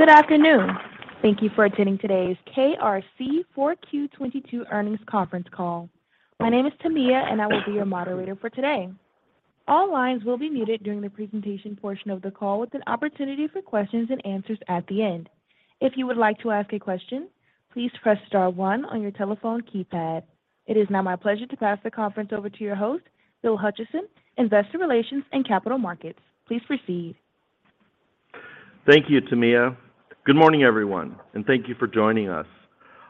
Good afternoon. Thank you for attending today's KRC 4Q 2022 Earnings Conference Call. My name is Tamia, and I will be your moderator for today. All lines will be muted during the presentation portion of the call with an opportunity for questions and answers at the end. If you would like to ask a question, please press star one on your telephone keypad. It is now my pleasure to pass the conference over to your host, Bill Hutcheson, Investor Relations and Capital Markets. Please proceed. Thank you, Tamia. Good morning, everyone, thank you for joining us.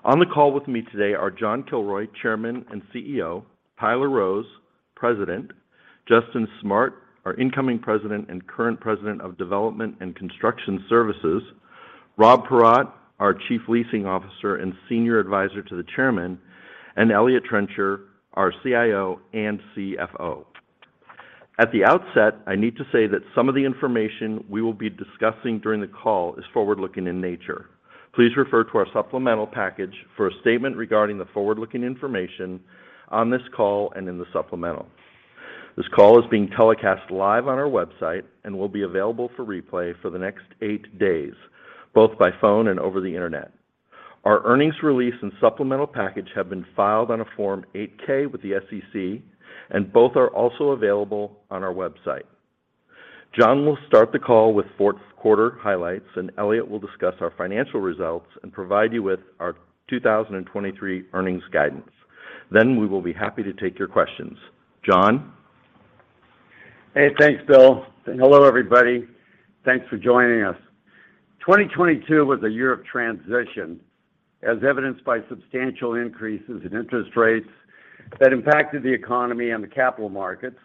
On the call with me today are John Kilroy, Chairman and CEO, Tyler Rose, President, Justin Smart, our Incoming President and current President of Development and Construction Services, Rob Paratte, our Chief Leasing Officer and Senior Advisor to the Chairman, and Elliott Trencher, our CIO and CFO. At the outset, I need to say that some of the information we will be discussing during the call is forward-looking in nature. Please refer to our supplemental package for a statement regarding the forward-looking information on this call and in the supplemental. This call is being telecast live on our website and will be available for replay for the next eight days, both by phone and over the Internet. Our earnings release and supplemental package have been filed on a Form 8-K with the SEC. Both are also available on our website. John will start the call with fourth quarter highlights. Eliott will discuss our financial results and provide you with our 2023 earnings guidance. We will be happy to take your questions. John? Hey, thanks, Bill. Hello, everybody. Thanks for joining us. 2022 was a year of transition, as evidenced by substantial increases in interest rates that impacted the economy and the capital markets.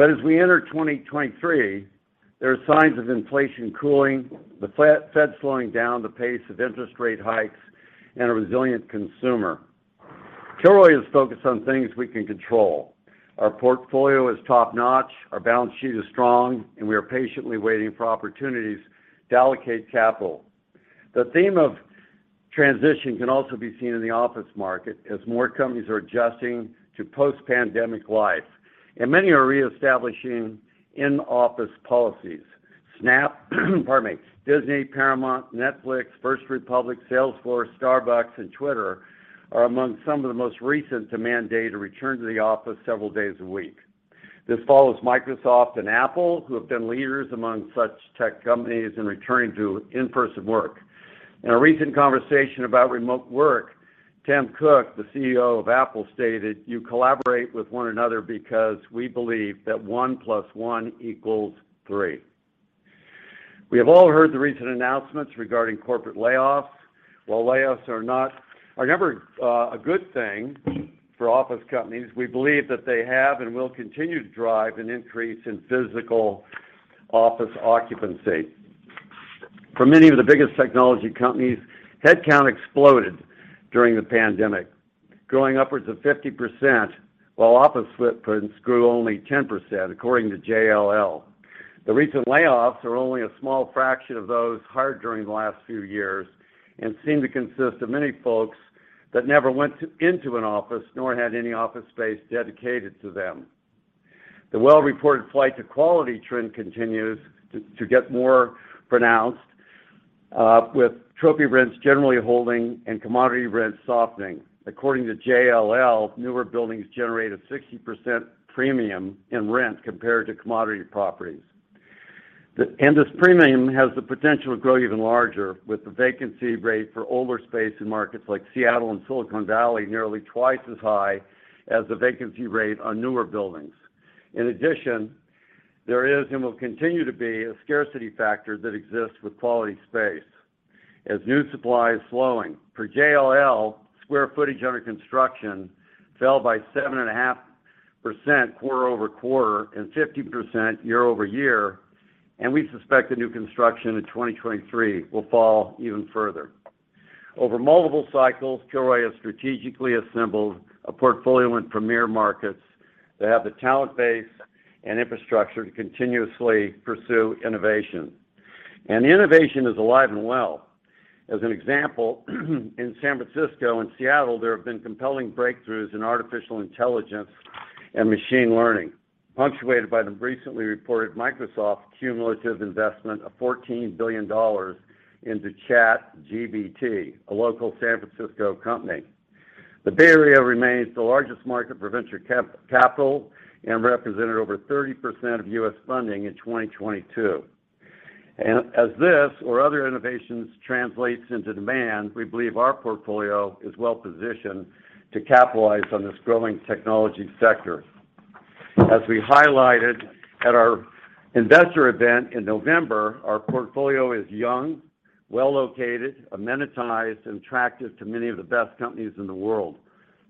As we enter 2023, there are signs of inflation cooling, the Fed slowing down the pace of interest rate hikes, and a resilient consumer. Kilroy is focused on things we can control. Our portfolio is top-notch, our balance sheet is strong, and we are patiently waiting for opportunities to allocate capital. The theme of transition can also be seen in the office market as more companies are adjusting to post-pandemic life, and many are reestablishing in-office policies. Snap, Disney, Paramount, Netflix, First Republic Bank, Salesforce, Starbucks, and Twitter are among some of the most recent to mandate a return to the office several days a week. This follows Microsoft and Apple, who have been leaders among such tech companies in returning to in-person work. In a recent conversation about remote work, Tim Cook, the CEO of Apple, stated, "You collaborate with one another because we believe that one plus one equals three." We have all heard the recent announcements regarding corporate layoffs. While layoffs are never a good thing for office companies, we believe that they have and will continue to drive an increase in physical office occupancy. For many of the biggest technology companies, headcount exploded during the pandemic, growing upwards of 50%, while office footprints grew only 10%, according to JLL. The recent layoffs are only a small fraction of those hired during the last few years and seem to consist of many folks that never went into an office nor had any office space dedicated to them. The well-reported flight to quality trend continues to get more pronounced, with trophy rents generally holding and commodity rents softening. According to JLL, newer buildings generate a 60% premium in rent compared to commodity properties. This premium has the potential to grow even larger, with the vacancy rate for older space in markets like Seattle and Silicon Valley nearly twice as high as the vacancy rate on newer buildings. In addition, there is and will continue to be a scarcity factor that exists with quality space as new supply is slowing. Per JLL, square footage under construction fell by 7.5% quarter-over-quarter and 50% year-over-year, we suspect the new construction in 2023 will fall even further. Over multiple cycles, Kilroy has strategically assembled a portfolio in premier markets that have the talent base and infrastructure to continuously pursue innovation. Innovation is alive and well. As an example, in San Francisco and Seattle, there have been compelling breakthroughs in artificial intelligence and machine learning, punctuated by the recently reported Microsoft cumulative investment of $14 billion into ChatGPT, a local San Francisco company. The Bay Area remains the largest market for venture capital and represented over 30% of U.S. funding in 2022. As this or other innovations translates into demand, we believe our portfolio is well positioned to capitalize on this growing technology sector. As we highlighted at our investor event in November, our portfolio is young, well-located, amenitized, and attractive to many of the best companies in the world.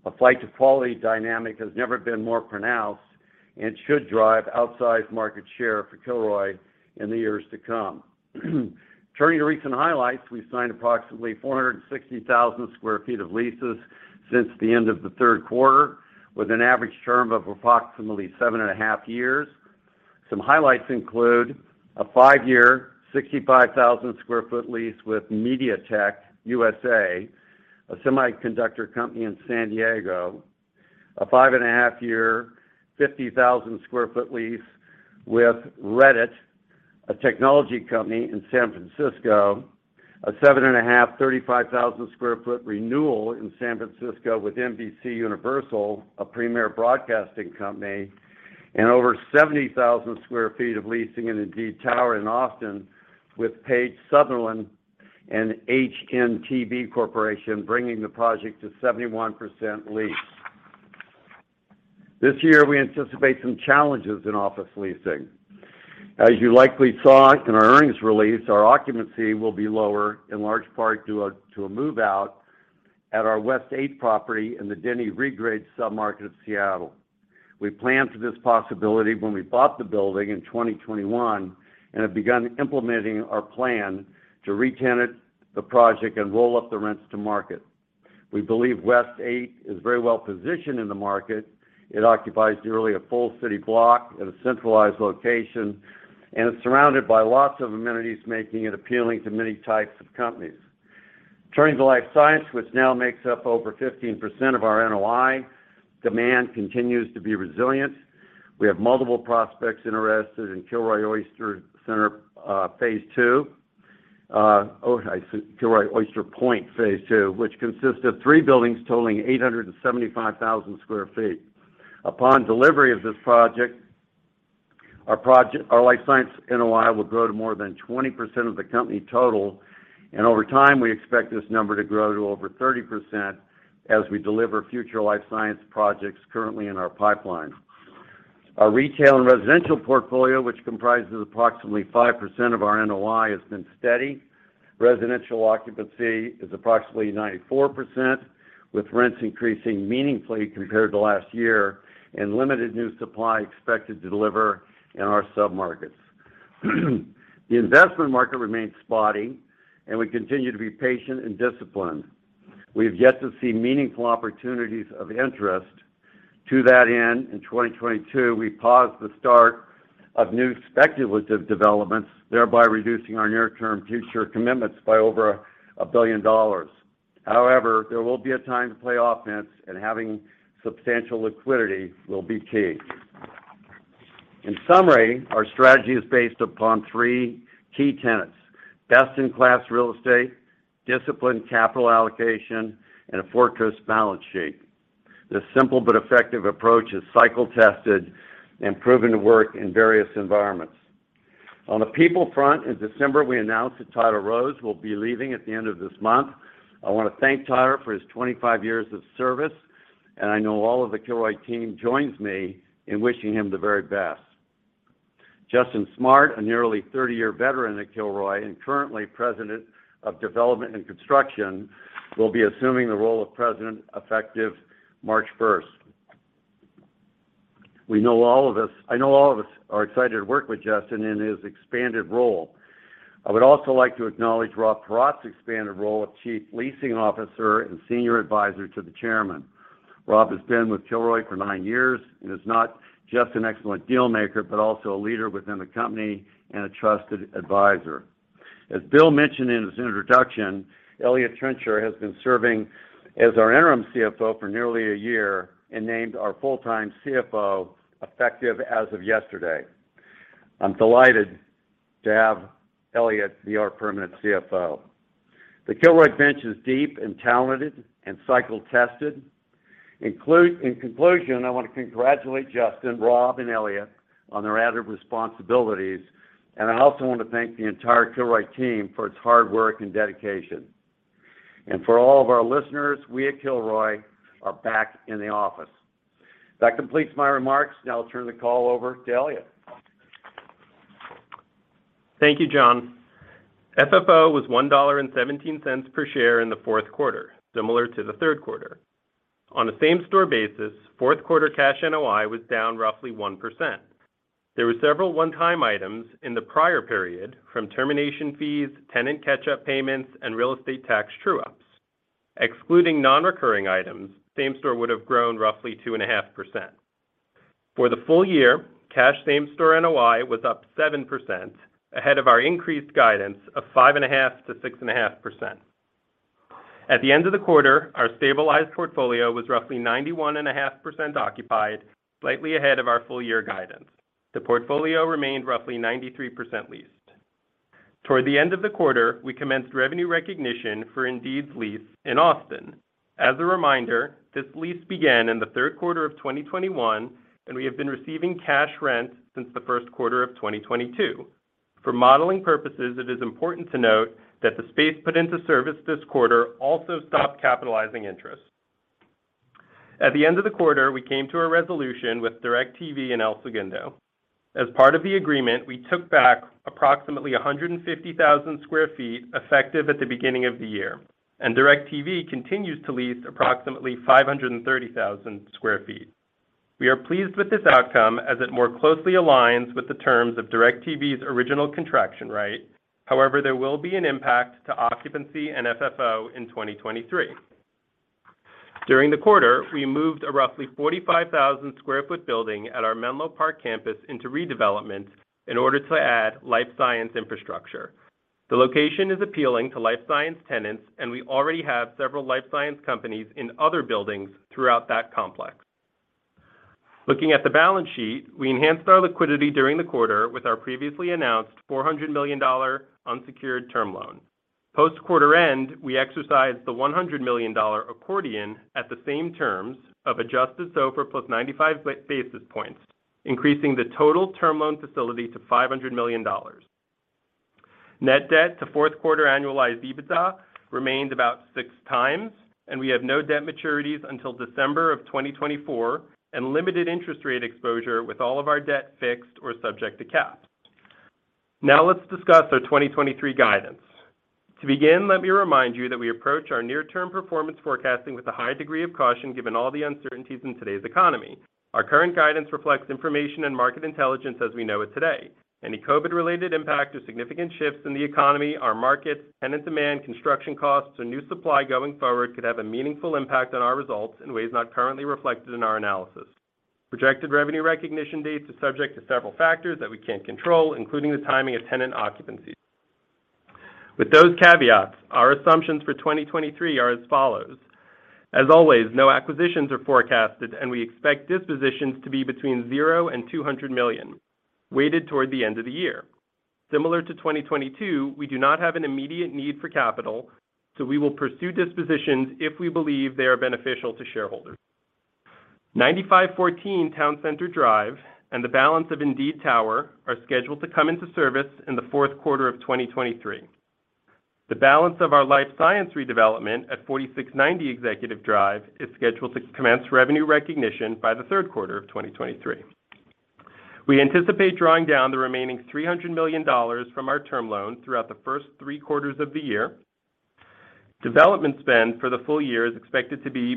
A flight to quality dynamic has never been more pronounced and should drive outsized market share for Kilroy in the years to come. Turning to recent highlights, we've signed approximately 460,000 sq ft of leases since the end of the third quarter, with an average term of approximately 7.5 years. Some highlights include a five-year, 65,000 sq ft lease with MediaTek USA, a semiconductor company in San Diego. A 5.5 year, 50,000 sq ft lease with Reddit, a technology company in San Francisco. A 7.5 year, 35,000 sq ft renewal in San Francisco with NBCUniversal, a premier broadcasting company. Over 70,000 sq ft of leasing in Indeed Tower in Austin with Page Southerland Page and HNTB Corporation, bringing the project to 71% leased. This year we anticipate some challenges in office leasing. As you likely saw in our earnings release, our occupancy will be lower, in large part to a move out at our West8 property in the Denny Regrade sub-market of Seattle. We planned for this possibility when we bought the building in 2021, and have begun implementing our plan to retenant the project and roll up the rents to market. We believe West8 is very well positioned in the market. It occupies nearly a full city block in a centralized location, and it's surrounded by lots of amenities, making it appealing to many types of companies. Turning to Life Science, which now makes up over 15% of our NOI, demand continues to be resilient. We have multiple prospects interested in Kilroy Oyster Point, Phase 2. Kilroy Oyster Point Phase 2, which consists of three buildings totaling 875,000 sq ft. Upon delivery of this project, our Life Science NOI will grow to more than 20% of the company total, and over time, we expect this number to grow to over 30% as we deliver future Life Science projects currently in our pipeline. Our retail and residential portfolio, which comprises approximately 5% of our NOI, has been steady. Residential occupancy is approximately 94%, with rents increasing meaningfully compared to last year, and limited new supply expected to deliver in our sub-markets. The investment market remains spotty, and we continue to be patient and disciplined. We have yet to see meaningful opportunities of interest. To that end, in 2022, we paused the start of new speculative developments, thereby reducing our near-term future commitments by over $1 billion. There will be a time to play offense, and having substantial liquidity will be key. In summary, our strategy is based upon three key tenets: best-in-class real estate, disciplined capital allocation, and a fortress balance sheet. This simple but effective approach is cycle tested and proven to work in various environments. On the people front, in December, we announced that Tyler Rose will be leaving at the end of this month. I wanna thank Tyler for his 25 years of service, and I know all of the Kilroy team joins me in wishing him the very best. Justin Smart, a nearly 30-year veteran at Kilroy, and currently President of Development and Construction, will be assuming the role of President effective March first. I know all of us are excited to work with Justin in his expanded role. I would also like to acknowledge Rob Paratte's expanded role of Chief Leasing Officer and Senior Advisor to the Chairman. Rob has been with Kilroy for nine years and is not just an excellent deal maker, but also a leader within the company and a trusted advisor. As Bill mentioned in his introduction, Eliott Trencher has been serving as our interim CFO for nearly a year and named our full-time CFO effective as of yesterday. I'm delighted to have Eliott be our permanent CFO. The Kilroy bench is deep and talented and cycle tested. In conclusion, I want to congratulate Justin, Rob, and Eliott on their added responsibilities, I also want to thank the entire Kilroy team for its hard work and dedication. For all of our listeners, we at Kilroy are back in the office. That completes my remarks. Now I'll turn the call over to Eliott. Thank you, John. FFO was $1.17 per share in the fourth quarter, similar to the third quarter. On a same-store basis, fourth quarter cash NOI was down roughly 1%. There were several one-time items in the prior period from termination fees, tenant catch-up payments, and real estate tax true-ups. Excluding non-recurring items, same store would have grown roughly 2.5%. For the full-year, cash same-store NOI was up 7%, ahead of our increased guidance of 5.5%-6.5%. At the end of the quarter, our stabilized portfolio was roughly 91.5% occupied, slightly ahead of our full-year guidance. The portfolio remained roughly 93% leased. Toward the end of the quarter, we commenced revenue recognition for Indeed's lease in Austin. As a reminder, this lease began in the third quarter of 2021, and we have been receiving cash rent since the first quarter of 2022. For modeling purposes, it is important to note that the space put into service this quarter also stopped capitalizing interest. At the end of the quarter, we came to a resolution with DirecTV in El Segundo. As part of the agreement, we took back approximately 150,000 sq ft effective at the beginning of the year, and DirecTV continues to lease approximately 530,000 sq ft. We are pleased with this outcome as it more closely aligns with the terms of DirecTV's original contraction right. There will be an impact to occupancy and FFO in 2023. During the quarter, we moved a roughly 45,000 sq ft building at our Menlo Park campus into redevelopment in order to add Life Science infrastructure. The location is appealing to Life Science tenants, we already have several Life Science companies in other buildings throughout that complex. Looking at the balance sheet, we enhanced our liquidity during the quarter with our previously announced $400 million unsecured term loan. Post quarter end, we exercised the $100 million accordion at the same terms of adjusted SOFR plus 95 basis points, increasing the total term loan facility to $500 million. Net debt to fourth quarter annualized EBITDA remained about 6x, and we have no debt maturities until December of 2024 and limited interest rate exposure with all of our debt fixed or subject to cap. Now let's discuss our 2023 guidance. To begin, let me remind you that we approach our near term performance forecasting with a high degree of caution given all the uncertainties in today's economy. Our current guidance reflects information and market intelligence as we know it today. Any COVID related impact or significant shifts in the economy, our markets, tenant demand, construction costs, or new supply going forward could have a meaningful impact on our results in ways not currently reflected in our analysis. Projected revenue recognition dates are subject to several factors that we can't control, including the timing of tenant occupancy. With those caveats, our assumptions for 2023 are as follows. As always, no acquisitions are forecasted, and we expect dispositions to be between $0 and $200 million, weighted toward the end of the year. Similar to 2022, we do not have an immediate need for capital. We will pursue dispositions if we believe they are beneficial to shareholders. 9514 Towne Centre Drive and the balance of Indeed Tower are scheduled to come into service in the fourth quarter of 2023. The balance of our Life Science redevelopment at 4690 Executive Drive is scheduled to commence revenue recognition by the third quarter of 2023. We anticipate drawing down the remaining $300 million from our term loan throughout the first three quarters of the year. Development spend for the full-year is expected to be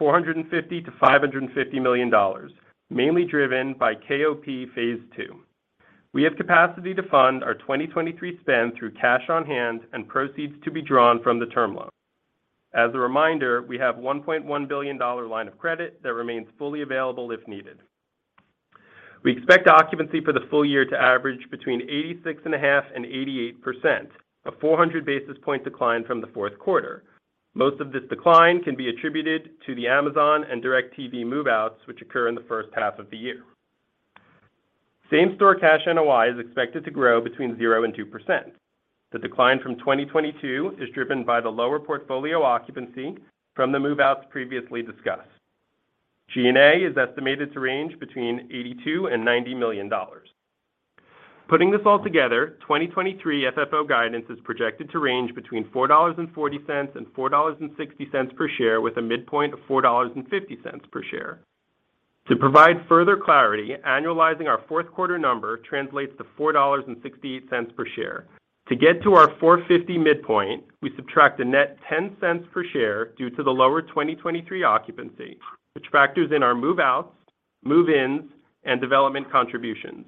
$450 million-$550 million, mainly driven by KOP Phase 2. We have capacity to fund our 2023 spend through cash on hand and proceeds to be drawn from the term loan. As a reminder, we have a $1.1 billion line of credit that remains fully available if needed. We expect occupancy for the full-year to average between 86.5% and 88%, a 400 basis point decline from the fourth quarter. Most of this decline can be attributed to the Amazon and DirecTV move-outs, which occur in the first-half of the year. Same-store cash NOI is expected to grow between zero and 2%. The decline from 2022 is driven by the lower portfolio occupancy from the move-outs previously discussed. G&A is estimated to range between $82 million and $90 million. Putting this all together, 2023 FFO guidance is projected to range between $4.40 and $4.60 per share with a midpoint of $4.50 per share. To provide further clarity, annualizing our fourth quarter number translates to $4.68 per share. To get to our $4.50 midpoint, we subtract a net $0.10 per share due to the lower 2023 occupancy, which factors in our move-outs, move-ins, and development contributions.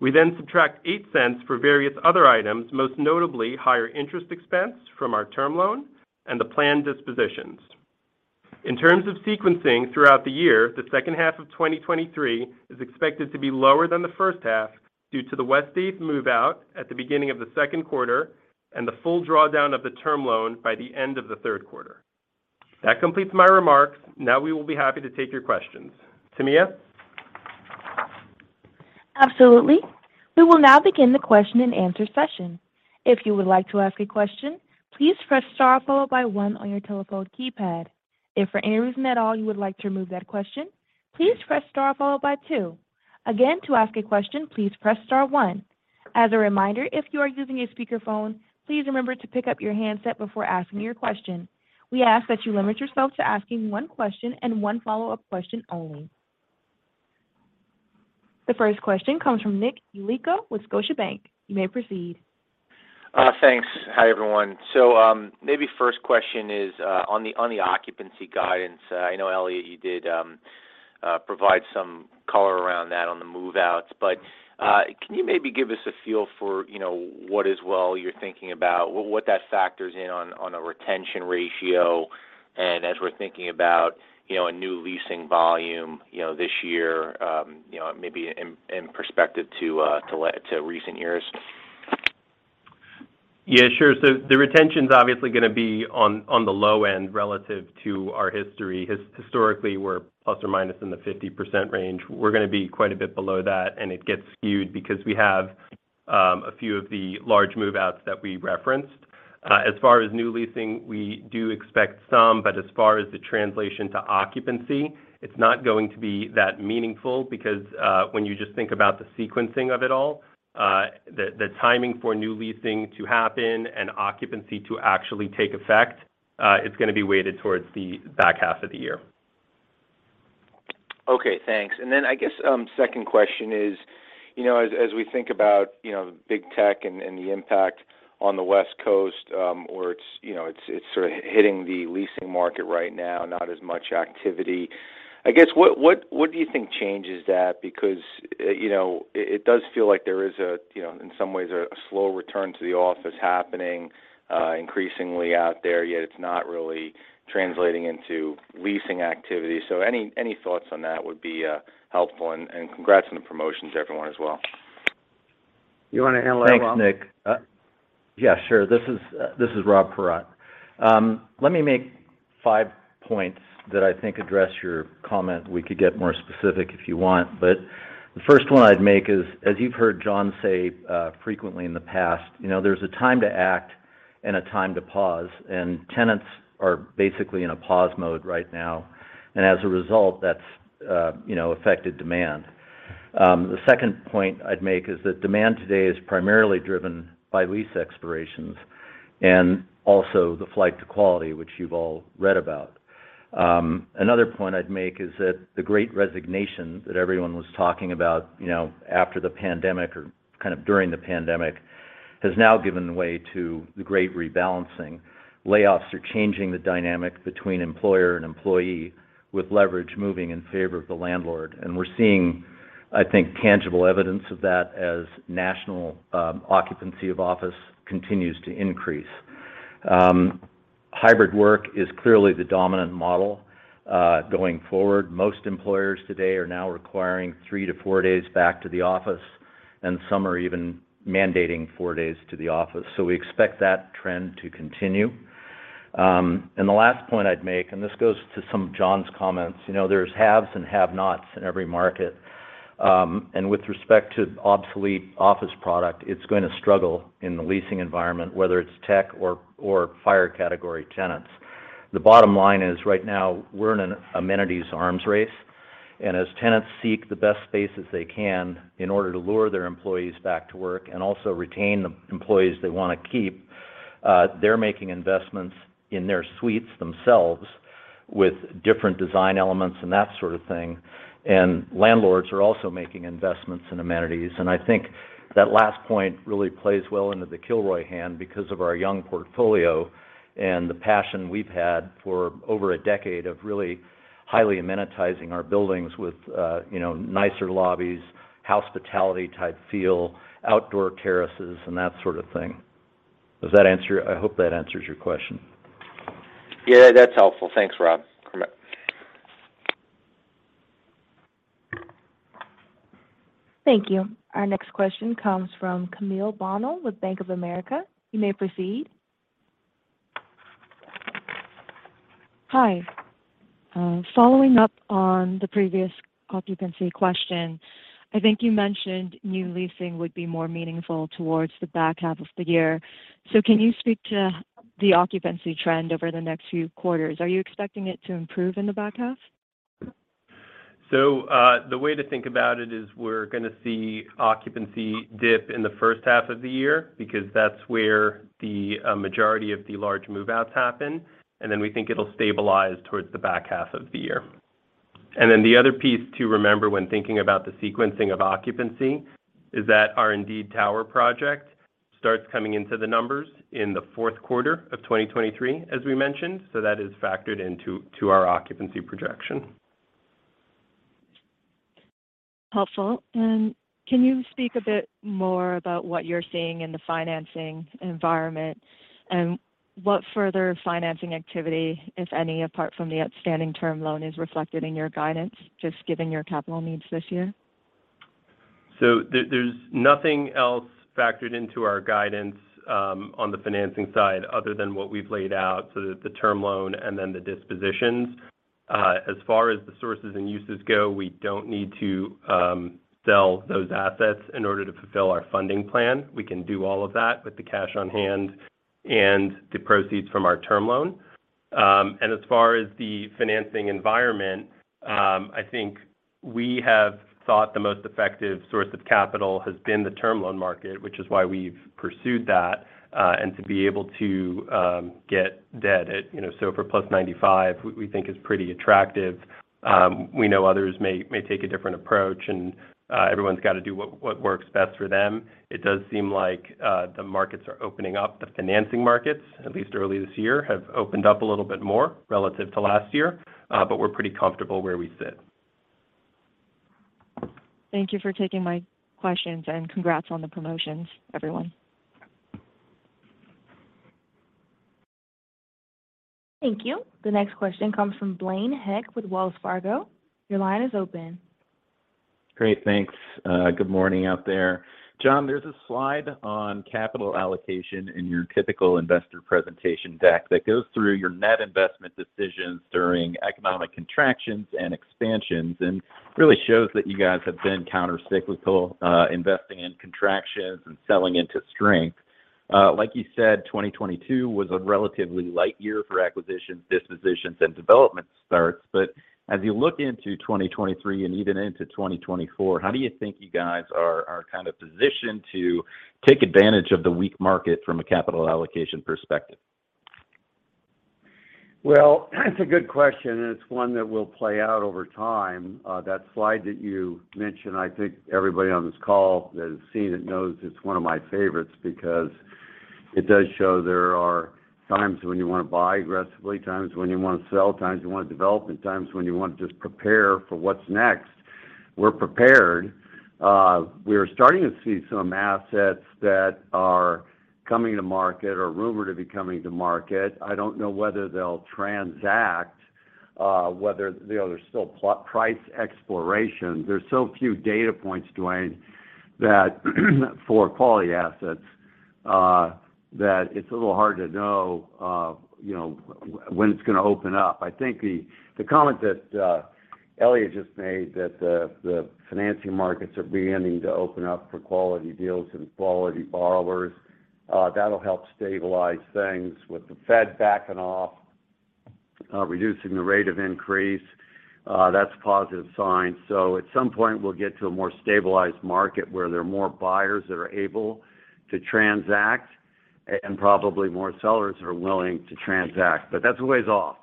We subtract $0.08 for various other items, most notably higher interest expense from our term loan and the planned dispositions. In terms of sequencing throughout the year, the second-half of 2023 is expected to be lower than the first-half due to the Westie move-out at the beginning of the second quarter and the full drawdown of the term loan by the end of the third quarter. That completes my remarks. We will be happy to take your questions. Tamia? Absolutely. We will now begin the question and answer session. If you would like to ask a question, please press star followed by one on your telephone keypad. If for any reason at all you would like to remove that question, please press star followed by two. Again, to ask a question, please press star one. As a reminder, if you are using a speakerphone, please remember to pick up your handset before asking your question. We ask that you limit yourself to asking one question and one follow-up question only. The first question comes from Nicholas Yulico with Scotiabank. You may proceed. Thanks. Hi, everyone. Maybe first question is on the occupancy guidance. I know, Eliott, you did provide some color around that on the move-outs. Can you maybe give us a feel for, you know, what as well you're thinking about, what that factors in on a retention ratio, and as we're thinking about, you know, a new leasing volume, you know, this year, you know, maybe in perspective to recent years? Yeah, sure. The retention's obviously gonna be on the low end relative to our history. Historically, we're plus or minus in the 50% range. We're gonna be quite a bit below that. It gets skewed because we have a few of the large move-outs that we referenced. As far as new leasing, we do expect some. As far as the translation to occupancy, it's not going to be that meaningful because when you just think about the sequencing of it all, the timing for new leasing to happen and occupancy to actually take effect is gonna be weighted towards the back half of the year. Okay, thanks. Then I guess, second question is, you know, as we think about, you know, big tech and the impact on the West Coast, where it's, you know, it's sort of hitting the leasing market right now, not as much activity. I guess, what do you think changes that? Because, you know, it does feel like there is a, you know, in some ways a slow return to the office happening, increasingly out there, yet it's not really translating into leasing activity. Any thoughts on that would be helpful. Congrats on the promotion to everyone as well. You want to handle it, Rob? Thanks, Nick. Yeah, sure. This is Rob Paratte. Let me make five points that I think address your comment. We could get more specific if you want. The first one I'd make is, as you've heard John say, frequently in the past, you know, there's a time to act and a time to pause, Tenants are basically in a pause mode right now. As a result, that's, you know, affected demand. The second point I'd make is that demand today is primarily driven by lease expirations and also the flight to quality, which you've all read about. Another point I'd make is that the great resignation that everyone was talking about, you know, after the pandemic or kind of during the pandemic, has now given way to the great rebalancing. Layoffs are changing the dynamic between employer and employee, with leverage moving in favor of the landlord. We're seeing, I think, tangible evidence of that as national occupancy of office continues to increase. Hybrid work is clearly the dominant model going forward. Most employers today are now requiring three to four days back to the office, and some are even mandating four days to the office. We expect that trend to continue. The last point I'd make, and this goes to some of John's comments, you know, there's haves and have-nots in every market. With respect to obsolete office product, it's going to struggle in the leasing environment, whether it's tech or FIRE category tenants. The bottom line is, right now, we're in an amenities arms race, and as tenants seek the best spaces they can in order to lure their employees back to work and also retain the employees they want to keep, they're making investments in their suites themselves with different design elements and that sort of thing, landlords are also making investments in amenities. I think that last point really plays well into the Kilroy hand because of our young portfolio and the passion we've had for over a decade of really highly amenitizing our buildings with, you know, nicer lobbies, hospitality type feel, outdoor terraces, and that sort of thing. Does that answer? I hope that answers your question. Yeah, that's helpful. Thanks, Rob. Thank you. Our next question comes from Camille Bonnel with Bank of America. You may proceed. Hi. Following up on the previous occupancy question, I think you mentioned new leasing would be more meaningful towards the back half of the year. Can you speak to the occupancy trend over the next few quarters? Are you expecting it to improve in the back half? The way to think about it is we're gonna see occupancy dip in the first-half of the year because that's where the majority of the large move-outs happen. Then we think it'll stabilize towards the back half of the year. Then the other piece to remember when thinking about the sequencing of occupancy is that our Indeed Tower project starts coming into the numbers in the fourth quarter of 2023, as we mentioned, so that is factored into our occupancy projection. Helpful. Can you speak a bit more about what you're seeing in the financing environment and what further financing activity, if any, apart from the outstanding term loan is reflected in your guidance, just given your capital needs this year? There's nothing else factored into our guidance on the financing side other than what we've laid out, so the term loan and then the dispositions. As far as the sources and uses go, we don't need to sell those assets in order to fulfill our funding plan. We can do all of that with the cash on hand and the proceeds from our term loan. As far as the financing environment, I think we have thought the most effective source of capital has been the term loan market, which is why we've pursued that, and to be able to get debt at, you know, SOFR plus 95, we think is pretty attractive. We know others may take a different approach, and everyone's got to do what works best for them. It does seem like the markets are opening up. The financing markets, at least early this year, have opened up a little bit more relative to last year, but we're pretty comfortable where we sit. Thank you for taking my questions, and congrats on the promotions, everyone. Thank you. The next question comes from Blaine Heck with Wells Fargo. Your line is open. Great. Thanks. Good morning out there. John, there's a slide on capital allocation in your typical investor presentation deck that goes through your net investment decisions during economic contractions and expansions, and really shows that you guys have been countercyclical, investing in contractions and selling into strength. Like you said, 2022 was a relatively light year for acquisitions, dispositions, and development starts. As you look into 2023 and even into 2024, how do you think you guys are kind of positioned to take advantage of the weak market from a capital allocation perspective? Well, that's a good question, and it's one that will play out over time. That slide that you mentioned, I think everybody on this call that has seen it knows it's one of my favorites because it does show there are times when you want to buy aggressively, times when you want to sell, times you want to develop, and times when you want to just prepare for what's next. We're prepared. We are starting to see some assets that are coming to market or rumored to be coming to market. I don't know whether they'll transact. You know, there's still price exploration. There's so few data points, John, that for quality assets, that it's a little hard to know, you know, when it's gonna open up. I think the comment that Eliott just made that the financing markets are beginning to open up for quality deals and quality borrowers, that'll help stabilize things. With the Fed backing off, reducing the rate of increase, that's a positive sign. At some point, we'll get to a more stabilized market where there are more buyers that are able to transact and probably more sellers that are willing to transact. That's a ways off.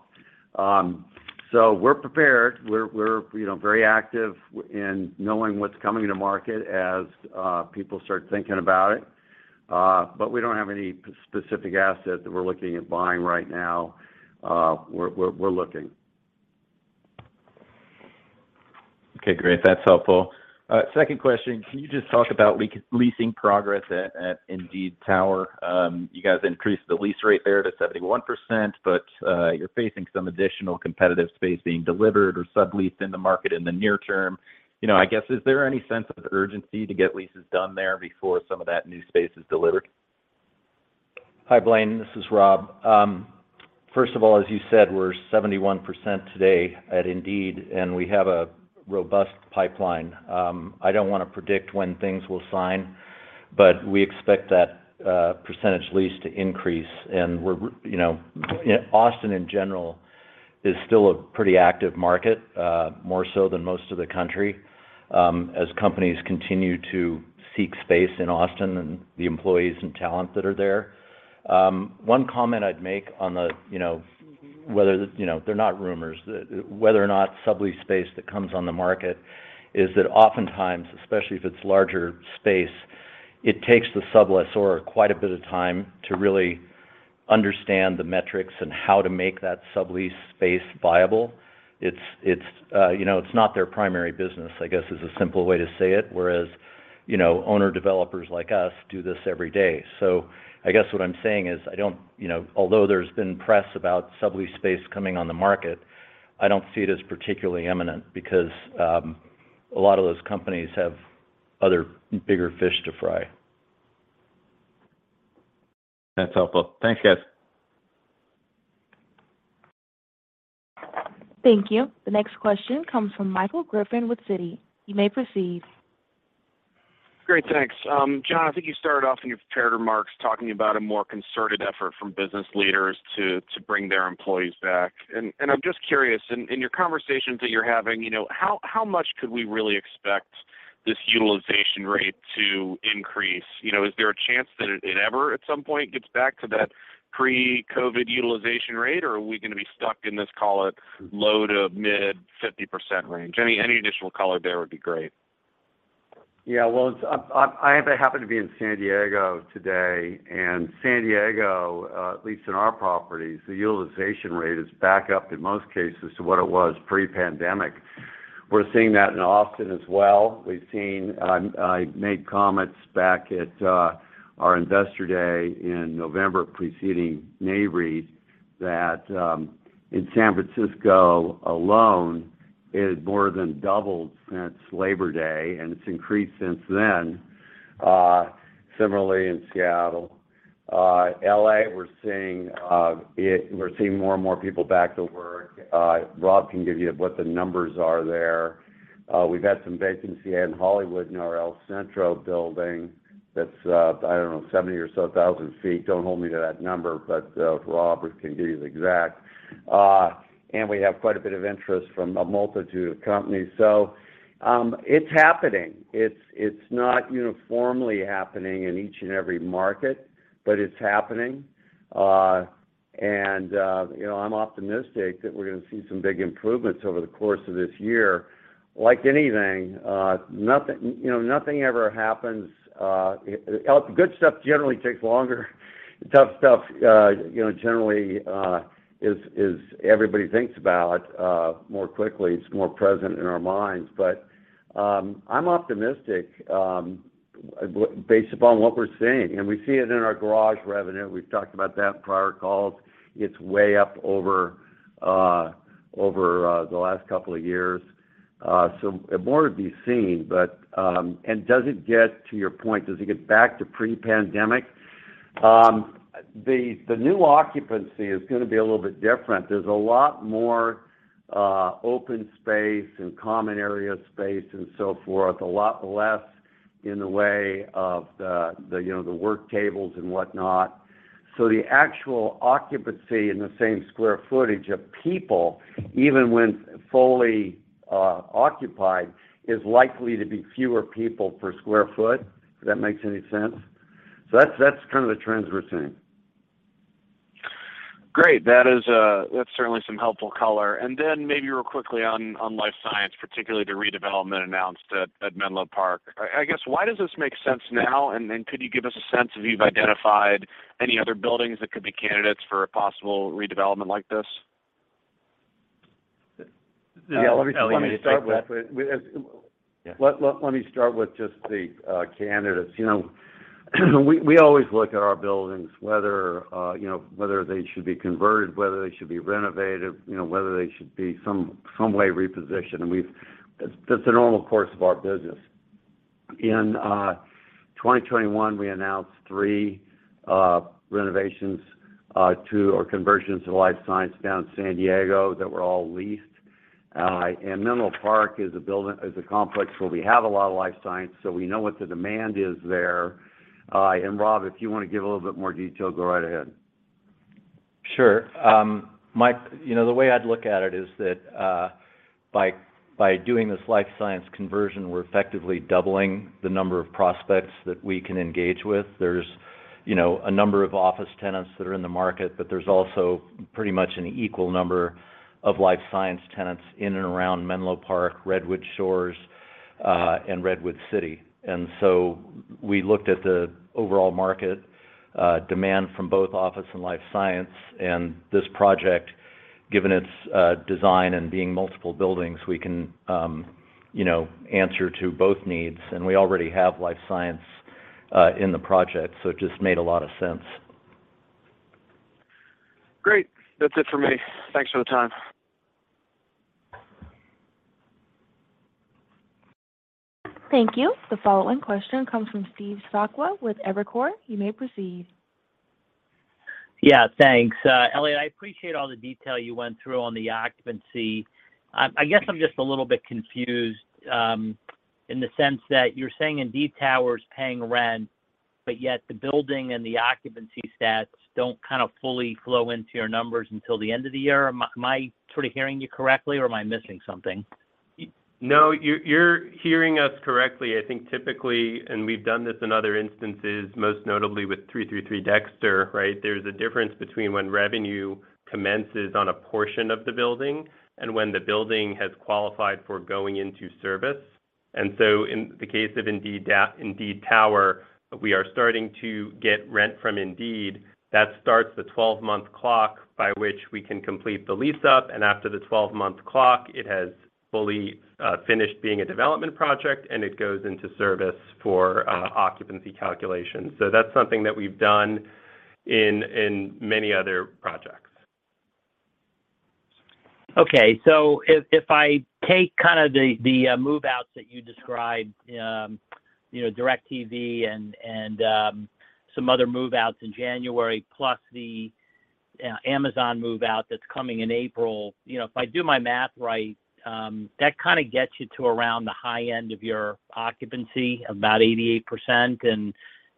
We're prepared. We're, you know, very active in knowing what's coming to market as people start thinking about it. We don't have any specific asset that we're looking at buying right now. We're looking. Okay, great. That's helpful. Second question, can you just talk about leasing progress at Indeed Tower? You guys increased the lease rate there to 71%, you're facing some additional competitive space being delivered or subleased in the market in the near term. You know, I guess, is there any sense of urgency to get leases done there before some of that new space is delivered? Hi, Blaine. This is Rob. First of all, as you said, we're 71% today at Indeed, and we have a robust pipeline. I don't wanna predict when things will sign, but we expect that percentage lease to increase. We're, you know, Austin in general is still a pretty active market, more so than most of the country, as companies continue to seek space in Austin and the employees and talent that are there. One comment I'd make on the, you know, whether, you know, they're not rumors. Whether or not sublease space that comes on the market is that oftentimes, especially if it's larger space, it takes the sublessor quite a bit of time to really understand the metrics and how to make that sublease space viable. It's, you know, it's not their primary business, I guess, is a simple way to say it, whereas, you know, owner developers like us do this every day. I guess what I'm saying is I don't, you know. Although there's been press about sublease space coming on the market, I don't see it as particularly imminent because a lot of those companies have other bigger fish to fry. That's helpful. Thanks, guys. Thank you. The next question comes from Michael Griffin with Citi. You may proceed. Great. Thanks. John, I think you started off in your prepared remarks talking about a more concerted effort from business leaders to bring their employees back. I'm just curious, in your conversations that you're having, you know, how much could we really expect this utilization rate to increase? You know, is there a chance that it ever at some point gets back to that pre-COVID utilization rate, or are we gonna be stuck in this, call it, low to mid 50% range? Any additional color there would be great. Yeah. Well, I happen to be in San Diego today. San Diego, at least in our properties, the utilization rate is back up in most cases to what it was pre-pandemic. We're seeing that in Austin as well. We've seen. I made comments back at our Investor Day in November preceding NAREIT that in San Francisco alone, it has more than doubled since Labor Day, and it's increased since then. Similarly in Seattle. L.A., we're seeing more and more people back to work. Rob can give you what the numbers are there. We've had some vacancy in Hollywood in our El Centro building that's, I don't know, 70 or so thousand feet. Don't hold me to that number, but Rob can give you the exact. We have quite a bit of interest from a multitude of companies. It's happening. It's not uniformly happening in each and every market, but it's happening. You know, I'm optimistic that we're gonna see some big improvements over the course of this year. Like anything, nothing, you know, nothing ever happens. Good stuff generally takes longer. The tough stuff, you know, generally is everybody thinks about more quickly. It's more present in our minds. I'm optimistic based upon what we're seeing, and we see it in our garage revenue. We've talked about that in prior calls. It's way up over the last couple of years. More to be seen. Does it get to your point, does it get back to pre-pandemic? The new occupancy is gonna be a little bit different. There's a lot more open space and common area space and so forth, a lot less in the way of the, you know, the work tables and whatnot. The actual occupancy in the same square footage of people, even when fully occupied, is likely to be fewer people per square foot, if that makes any sense. That's kind of the trends we're seeing. Great. That's certainly some helpful color. Maybe real quickly on Life Science, particularly the redevelopment announced at Menlo Park. I guess, why does this make sense now? Could you give us a sense if you've identified any other buildings that could be candidates for a possible redevelopment like this? We. Let me start with just the candidates. You know, we always look at our buildings, whether, you know, whether they should be converted, whether they should be renovated, you know, whether they should be some way repositioned. That's the normal course of our business. In 2021, we announced three renovations to or conversions to Life Science down in San Diego that were all leased. Menlo Park is a complex where we have a lot of Life Science, so we know what the demand is there. Rob, if you wanna give a little bit more detail, go right ahead. Sure. Mike, you know, the way I'd look at it is that, by doing this Life Science conversion, we're effectively doubling the number of prospects that we can engage with. There's, you know, a number of office tenants that are in the market, but there's also pretty much an equal number of Life Science tenants in and around Menlo Park, Redwood Shores, and Redwood City. We looked at the overall market demand from both office and Life Science. This project, given its design and being multiple buildings, we can, you know, answer to both needs. We already have Life Science in the project, so it just made a lot of sense. Great. That's it for me. Thanks for the time. Thank you. The following question comes from Steve Sakwa with Evercore. You may proceed. Yeah, thanks. Eliott, I appreciate all the detail you went through on the occupancy. I guess I'm just a little bit confused, in the sense that you're saying Indeed Tower's paying rent, but yet the building and the occupancy stats don't kind of fully flow into your numbers until the end of the year. Am I sort of hearing you correctly, or am I missing something? No, you're hearing us correctly. I think typically, we've done this in other instances, most notably with 333 Dexter, right? There's a difference between when revenue commences on a portion of the building and when the building has qualified for going into service. In the case of Indeed Tower, we are starting to get rent from Indeed. That starts the 12-month clock by which we can complete the lease up, and after the 12-month clock, it has fully finished being a development project, and it goes into service for occupancy calculations. That's something that we've done in many other projects. Okay. If I take kind of the move-outs that you described, you know, DirecTV and some other move-outs in January, plus the Amazon move-out that's coming in April, you know, if I do my math right, that kind of gets you to around the high end of your occupancy, about 88%.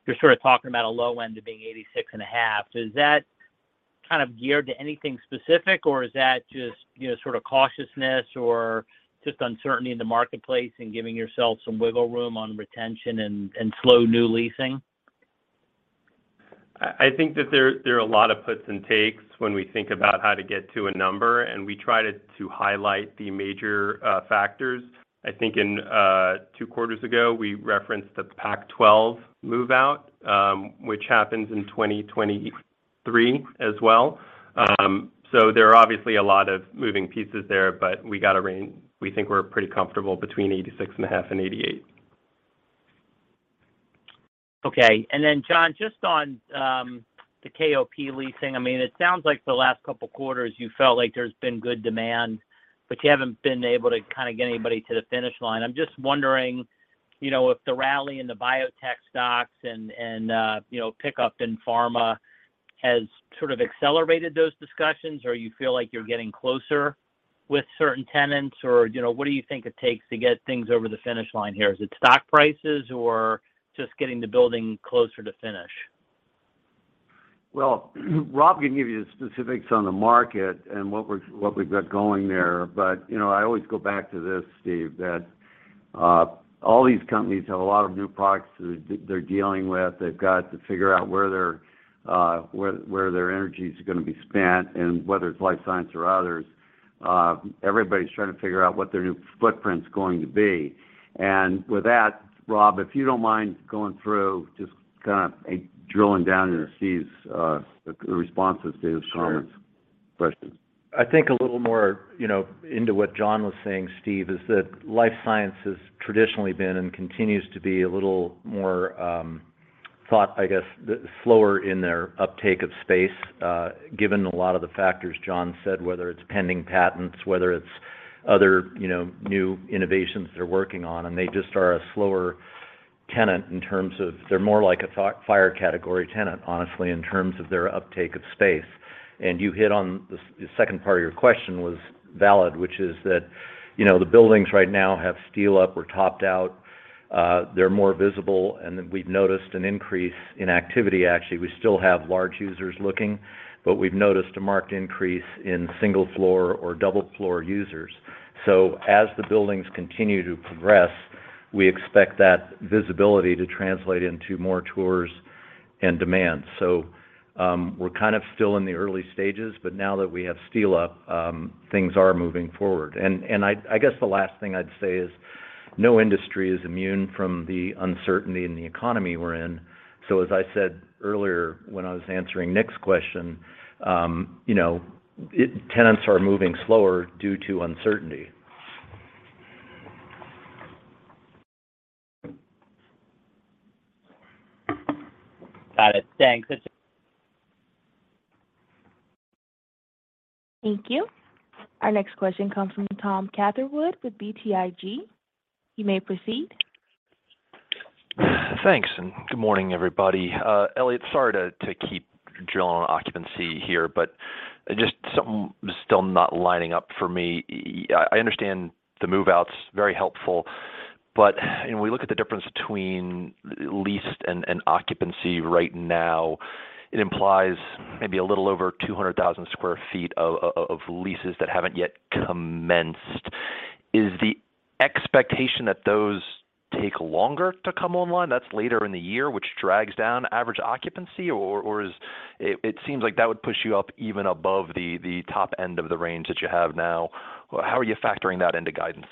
You're sort of talking about a low end of being 86.5%. Is that kind of geared to anything specific, or is that just, you know, sort of cautiousness or just uncertainty in the marketplace and giving yourself some wiggle room on retention and slow new leasing? I think that there are a lot of puts and takes when we think about how to get to a number, and we try to highlight the major factors. I think in two quarters ago, we referenced the Pac-12 move-out, which happens in 2023 as well. There are obviously a lot of moving pieces there, but we got a range. We think we're pretty comfortable between 86.5% and 88%. Okay. John, just on the KOP leasing, I mean, it sounds like the last couple quarters you felt like there's been good demand, but you haven't been able to kind of get anybody to the finish line. I'm just wondering, you know, if the rally in the biotech stocks and, you know, pickup in pharma has sort of accelerated those discussions, or you feel like you're getting closer with certain tenants or, you know, what do you think it takes to get things over the finish line here? Is it stock prices or just getting the building closer to finish? Well, Rob can give you the specifics on the market and what we've got going there. You know, I always go back to this, Steve, that all these companies have a lot of new products they're dealing with. They've got to figure out where their energy is gonna be spent and whether it's Life Science or others. Everybody's trying to figure out what their new footprint's going to be. With that, Rob, if you don't mind going through, just kind of drilling down into Steve's responses to his comments, questions. I think a little more, you know, into what John was saying, Steve, is that Life Science has traditionally been and continues to be a little more, thought, I guess, slower in their uptake of space, given a lot of the factors John said, whether it's pending patents, whether it's other, you know, new innovations they're working on. They just are a slower tenant in terms of they're more like a FIRE category tenant, honestly, in terms of their uptake of space. You hit on the second part of your question was valid, which is that, you know, the buildings right now have steel up or topped out. They're more visible, and we've noticed an increase in activity, actually. We still have large users looking, but we've noticed a marked increase in single floor or double floor users. As the buildings continue to progress, we expect that visibility to translate into more tours and demand. We're kind of still in the early stages, but now that we have steel up, things are moving forward. I guess the last thing I'd say is. No industry is immune from the uncertainty in the economy we're in. As I said earlier when I was answering Nick's question, you know, tenants are moving slower due to uncertainty. Got it. Thanks. This. Thank you. Our next question comes from Tom Catherwood with BTIG. You may proceed. Thanks. Good morning, everybody. Eliott, sorry to keep drilling on occupancy here. Just something is still not lining up for me. Yeah, I understand the move-outs, very helpful. When we look at the difference between leased and occupancy right now, it implies maybe a little over 200,000 sq ft of leases that haven't yet commenced. Is the expectation that those take longer to come online that's later in the year, which drags down average occupancy? Is it seems like that would push you up even above the top end of the range that you have now. How are you factoring that into guidance?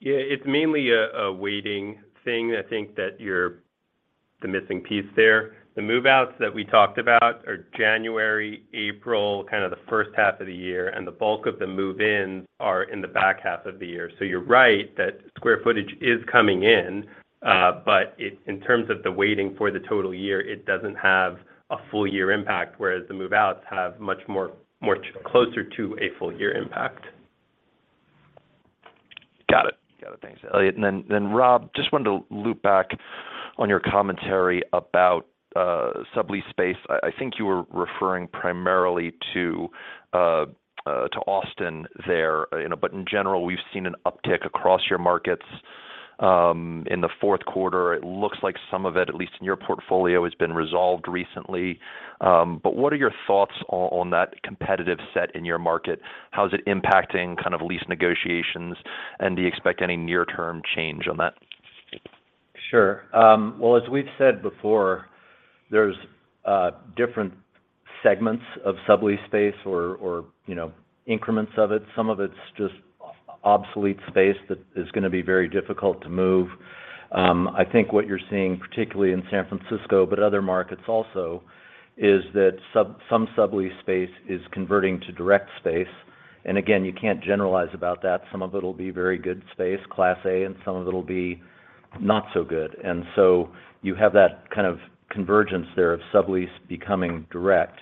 Yeah, it's mainly a waiting thing. I think that the missing piece there. The move-outs that we talked about are January, April, kind of the first-half of the year, and the bulk of the move-ins are in the back half of the year. You're right that square footage is coming in, but in terms of the waiting for the total year, it doesn't have a full-year impact, whereas the move-outs have much more closer to a full-year impact. Got it. Got it. Thanks, Eliott. Then Rob, just wanted to loop back on your commentary about sublease space. I think you were referring primarily to Austin there, you know. In general, we've seen an uptick across your markets in the fourth quarter. It looks like some of it, at least in your portfolio, has been resolved recently. What are your thoughts on that competitive set in your market? How is it impacting kind of lease negotiations, and do you expect any near-term change on that? Sure. Well, as we've said before, there's different segments of sublease space or, you know, increments of it. Some of it's just obsolete space that is gonna be very difficult to move. I think what you're seeing, particularly in San Francisco, but other markets also, is that some sublease space is converting to direct space. Again, you can't generalize about that. Some of it'll be very good space, Class A, and some of it'll be not so good. You have that kind of convergence there of sublease becoming direct.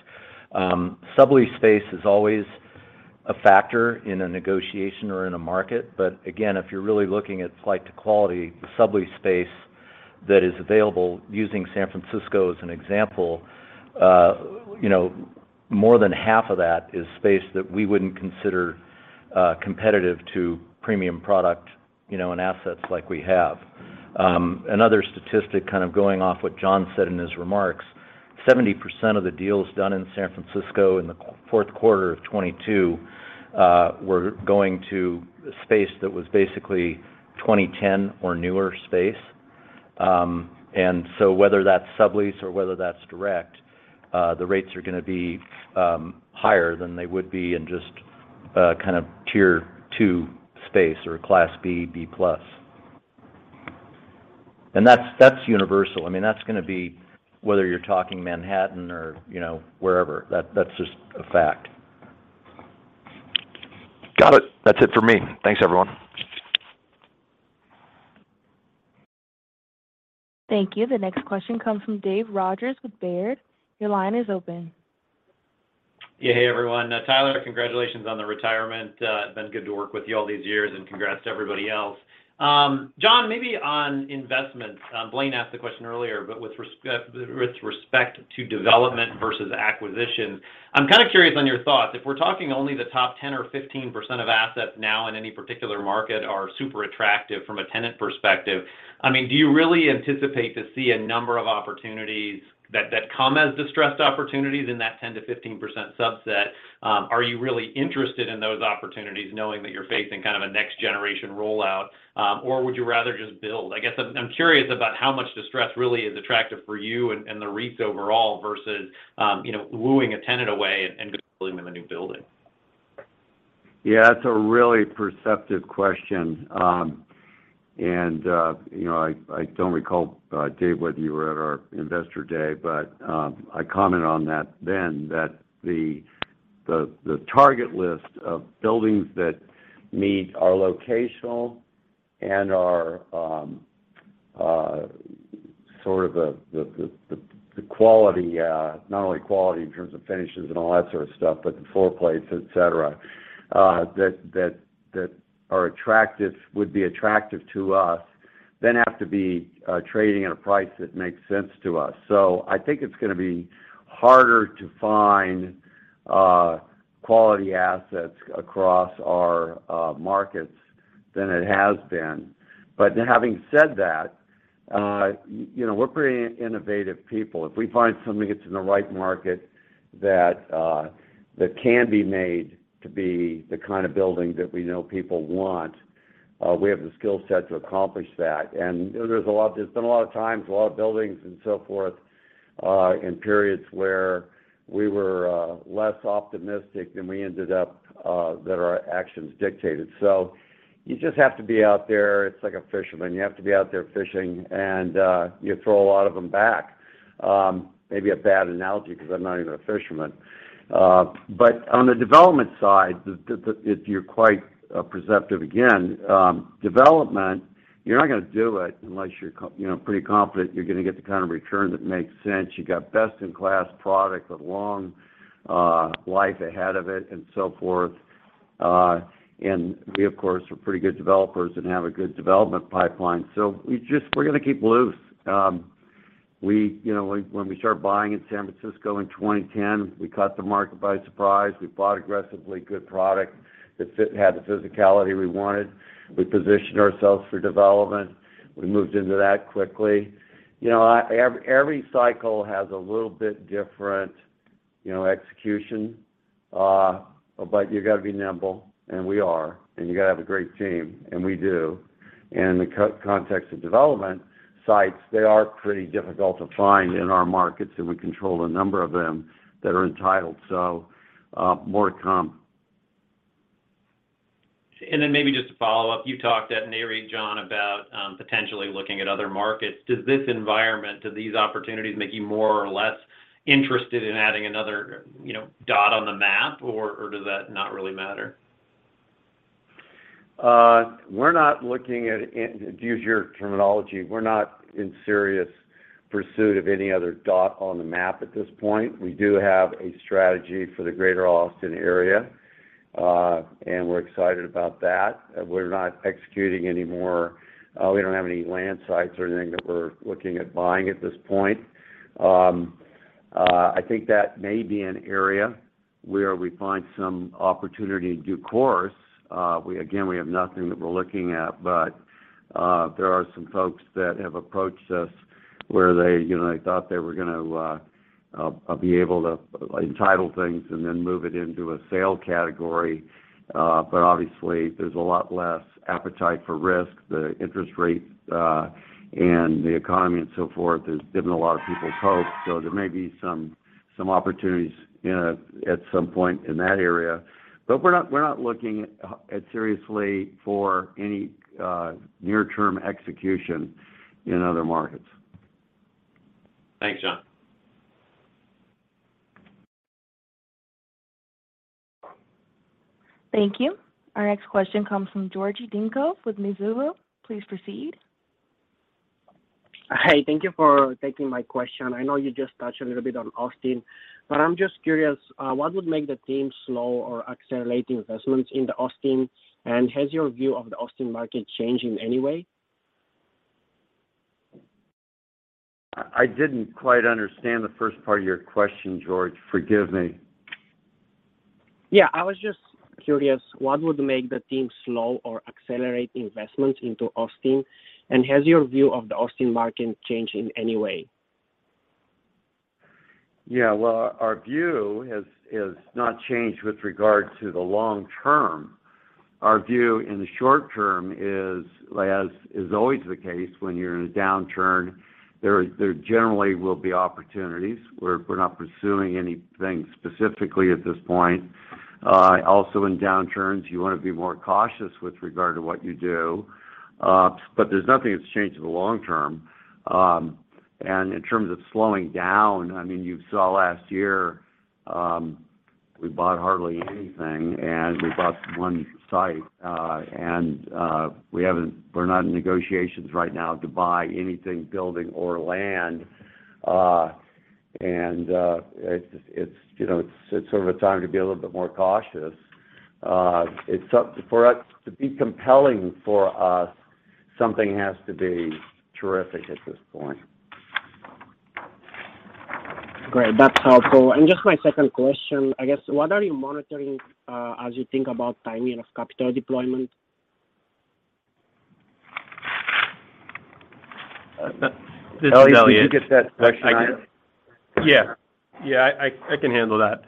Sublease space is always a factor in a negotiation or in a market. Again, if you're really looking at flight to quality, the sublease space that is available, using San Francisco as an example, you know, more than half of that is space that we wouldn't consider competitive to premium product, you know, and assets like we have. Another statistic kind of going off what John said in his remarks, 70% of the deals done in San Francisco in the Q4 of 2022 were going to space that was basically 2010 or newer space. Whether that's sublease or whether that's direct, the rates are gonna be higher than they would be in just kind of Tier 2 space or Class B, B+. That's universal. I mean, that's gonna be whether you're talking Manhattan or, you know, wherever. That's just a fact. Got it. That's it for me. Thanks, everyone. Thank you. The next question comes from David Rodgers with Baird. Your line is open. Yeah. Hey, everyone. Tyler, congratulations on the retirement. It's been good to work with you all these years, and congrats to everybody else. John, maybe on investments. Blaine asked the question earlier, but with respect to development versus acquisition, I'm kinda curious on your thoughts. If we're talking only the top 10 or 15% of assets now in any particular market are super attractive from a tenant perspective, I mean, do you really anticipate to see a number of opportunities that come as distressed opportunities in that 10% to 15% subset? Are you really interested in those opportunities knowing that you're facing kind of a next generation rollout, or would you rather just build? I guess I'm curious about how much distress really is attractive for you and the REITs overall versus, you know, wooing a tenant away and building them a new building. Yeah, that's a really perceptive question. You know, I don't recall, Dave, whether you were at our Investor Day, but, I commented on that then that the target list of buildings that meet our locational and our, sort of the quality, not only quality in terms of finishes and all that sort of stuff, but the floor plates, et cetera, that would be attractive to us then have to be, trading at a price that makes sense to us. I think it's gonna be harder to find, quality assets across our, markets than it has been. Having said that, you know, we're pretty innovative people. If we find something that's in the right market that can be made to be the kind of building that we know people want, we have the skill set to accomplish that. You know, there's been a lot of times, a lot of buildings and so forth, in periods where we were less optimistic than we ended up that our actions dictated. You just have to be out there. It's like a fisherman. You have to be out there fishing, and you throw a lot of them back. Maybe a bad analogy 'cause I'm not even a fisherman. On the development side, the, you're quite perceptive again. Development, you're not gonna do it unless you know, pretty confident you're gonna get the kind of return that makes sense. You got best-in-class product with long life ahead of it and so forth. We, of course, are pretty good developers and have a good development pipeline. We're gonna keep loose. We, you know, like when we started buying in San Francisco in 2010, we caught the market by surprise. We bought aggressively good product that had the physicality we wanted. We positioned ourselves for development. We moved into that quickly. You know, every cycle has a little bit different, you know, execution. You gotta be nimble, and we are. You gotta have a great team, and we do. In the context of development, sites, they are pretty difficult to find in our markets, and we control a number of them that are entitled. More to come. Maybe just to follow up, you talked at NAREIT, John, about potentially looking at other markets. Does this environment, do these opportunities make you more or less interested in adding another, you know, dot on the map, or does that not really matter? We're not looking at to use your terminology, we're not in serious pursuit of any other dot on the map at this point. We do have a strategy for the Greater Austin area, and we're excited about that. We're not executing any more. We don't have any land sites or anything that we're looking at buying at this point. I think that may be an area where we find some opportunity to due course. We again, we have nothing that we're looking at, but there are some folks that have approached us where they, you know, they thought they were gonna be able to title things and then move it into a sale category. Obviously, there's a lot less appetite for risk. The interest rates, and the economy and so forth has given a lot of people hope. There may be some opportunities, you know, at some point in that area. We're not looking at seriously for any near-term execution in other markets. Thanks, John. Thank you. Our next question comes from Jordi Dingler with Mizuho. Please proceed. Hey, thank you for taking my question. I know you just touched a little bit on Austin. I'm just curious, what would make the team slow or accelerate investments in the Austin? Has your view of the Austin market changed in any way? I didn't quite understand the first part of your question, Jordi. Forgive me. Yeah. I was just curious, what would make the team slow or accelerate investment into Austin, and has your view of the Austin market changed in any way? Well, our view has not changed with regard to the long term. Our view in the short term is, as is always the case, when you're in a downturn, there generally will be opportunities. We're not pursuing anything specifically at this point. Also in downturns, you wanna be more cautious with regard to what you do. There's nothing that's changed in the long term. In terms of slowing down, I mean, you saw last year, we bought hardly anything, we bought one site, we're not in negotiations right now to buy anything, building or land. It's, you know, it's sort of a time to be a little bit more cautious. To be compelling for us, something has to be terrific at this point. Great. That's helpful. Just my second question, I guess, what are you monitoring as you think about timing of capital deployment? Uh, uh, this is Elliot. Eliott, did you get that question? I did. Yeah. Yeah, I can handle that.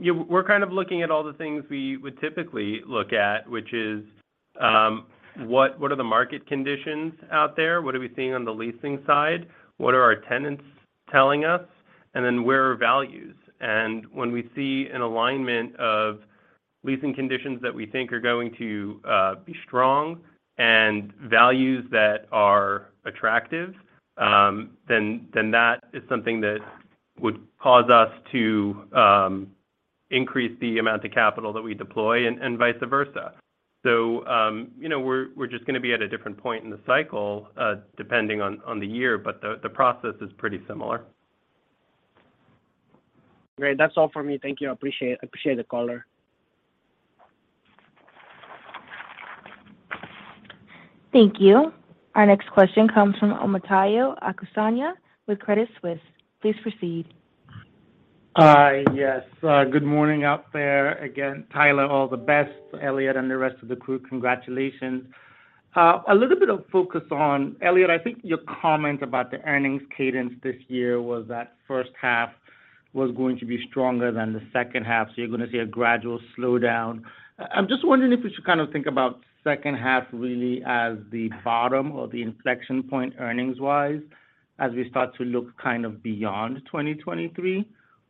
Yeah, we're kind of looking at all the things we would typically look at, which is, what are the market conditions out there? What are we seeing on the leasing side? What are our tenants telling us? Where are values? When we see an alignment of leasing conditions that we think are going to be strong and values that are attractive, then that is something that would cause us to increase the amount of capital that we deploy and vice versa. You know, we're just gonna be at a different point in the cycle, depending on the year, but the process is pretty similar. Great. That's all for me. Thank you. I appreciate the call. Thank you. Our next question comes from Omotayo Okusanya with Credit Suisse. Please proceed. Hi. Yes. Good morning out there. Again, Tyler, all the best. Elliot and the rest of the crew, congratulations. Elliot, I think your comment about the earnings cadence this year was that first-half. Was going to be stronger than the second-half, you're going to see a gradual slowdown. I'm just wondering if we should kind of think about second-half really as the bottom or the inflection point earnings-wise as we start to look kind of beyond 2023,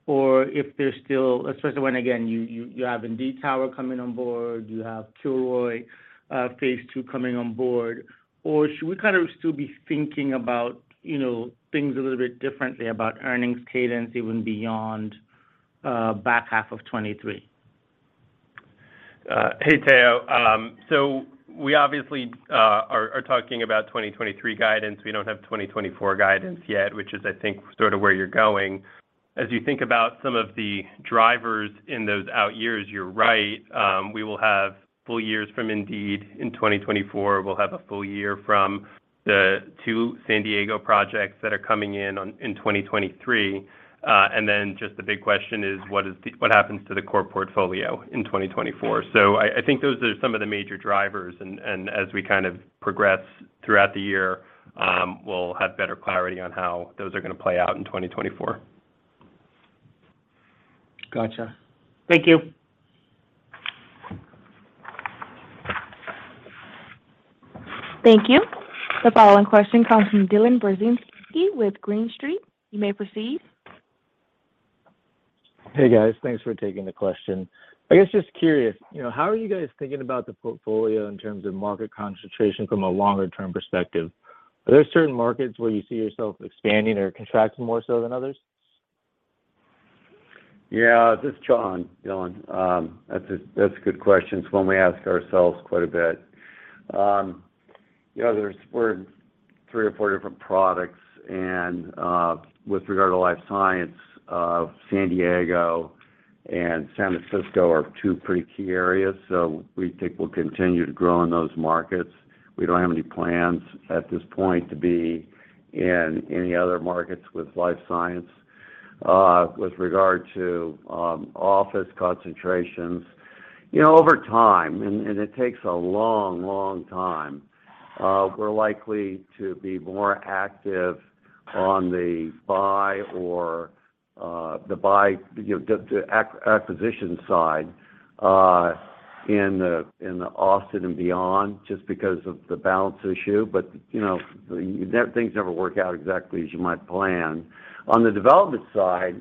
or if there's still... Especially when, again, you have Indeed Tower coming on board, you have Kilroy phase two coming on board. Should we kind of still be thinking about, you know, things a little bit differently about earnings cadence even beyond back half of 2023? Hey, Tayo. We obviously are talking about 2023 guidance. We don't have 2024 guidance yet, which is, I think, sort of where you're going. As you think about some of the drivers in those out years, you're right, we will have full-years from Indeed in 2024. We'll have a full-year from the two San Diego projects that are coming in on 2023. Just the big question is what happens to the core portfolio in 2024? I think those are some of the major drivers and as we kind of progress throughout the year, we'll have better clarity on how those are gonna play out in 2024. Gotcha. Thank you. Thank you. The following question comes from Dylan Burzinski with Green Street. You may proceed. Hey, guys. Thanks for taking the question. I guess just curious, you know, how are you guys thinking about the portfolio in terms of market concentration from a longer term perspective? Are there certain markets where you see yourself expanding or contracting more so than others? Yeah. This is John, Dylan. That's a good question. It's one we ask ourselves quite a bit. You know, we're three or four different products and with regard to Life Science, San Diego and San Francisco are two pretty key areas. We think we'll continue to grow in those markets. We don't have any plans at this point to be in any other markets with Life Science. With regard to office concentrations, you know, over time, and it takes a long, long time, we're likely to be more active on the buy or the buy, you know, the acquisition side, in Austin and beyond, just because of the balance issue. You know, things never work out exactly as you might plan. On the development side,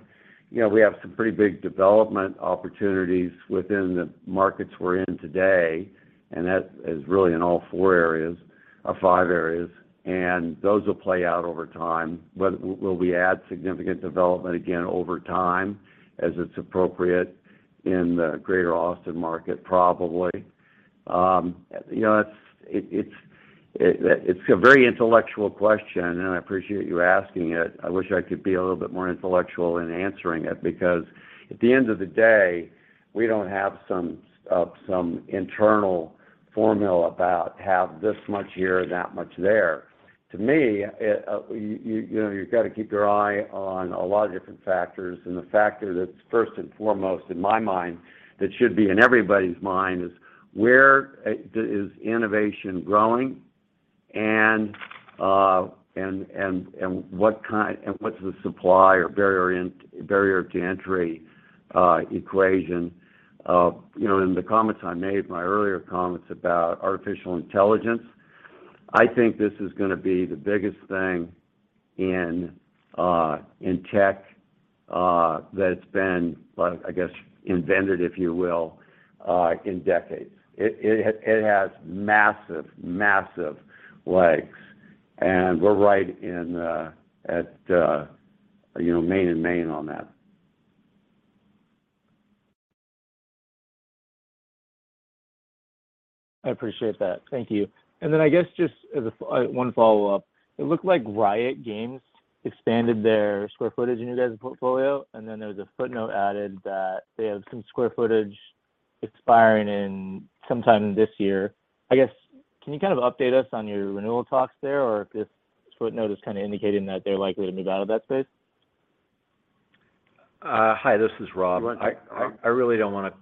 you know, we have some pretty big development opportunities within the markets we're in today. That is really in all four areas or five areas, and those will play out over time. Will we add significant development again over time as it's appropriate in the Greater Austin market? Probably. You know, it's a very intellectual question, and I appreciate you asking it. I wish I could be a little bit more intellectual in answering it because at the end of the day, we don't have some internal formula about have this much here, that much there. To me, you know, you've got to keep your eye on a lot of different factors, and the factor that's first and foremost in my mind, that should be in everybody's mind is where innovation growing and what's the supply or barrier to entry equation? You know, in the comments I made, my earlier comments about artificial intelligence, I think this is gonna be the biggest thing in tech that's been, I guess, invented, if you will, in decades. It has massive legs, and we're right at, you know, main and main on that. I appreciate that. Thank you. I guess just as a one follow-up. It looked like Riot Games expanded their square footage in your guys' portfolio. There was a footnote added that they have some square footage expiring in sometime this year. I guess can you kind of update us on your renewal talks there, or if this footnote is kind of indicating that they're likely to move out of that space? Hi, this is Rob. You want to take that, Rob? I really don't wanna.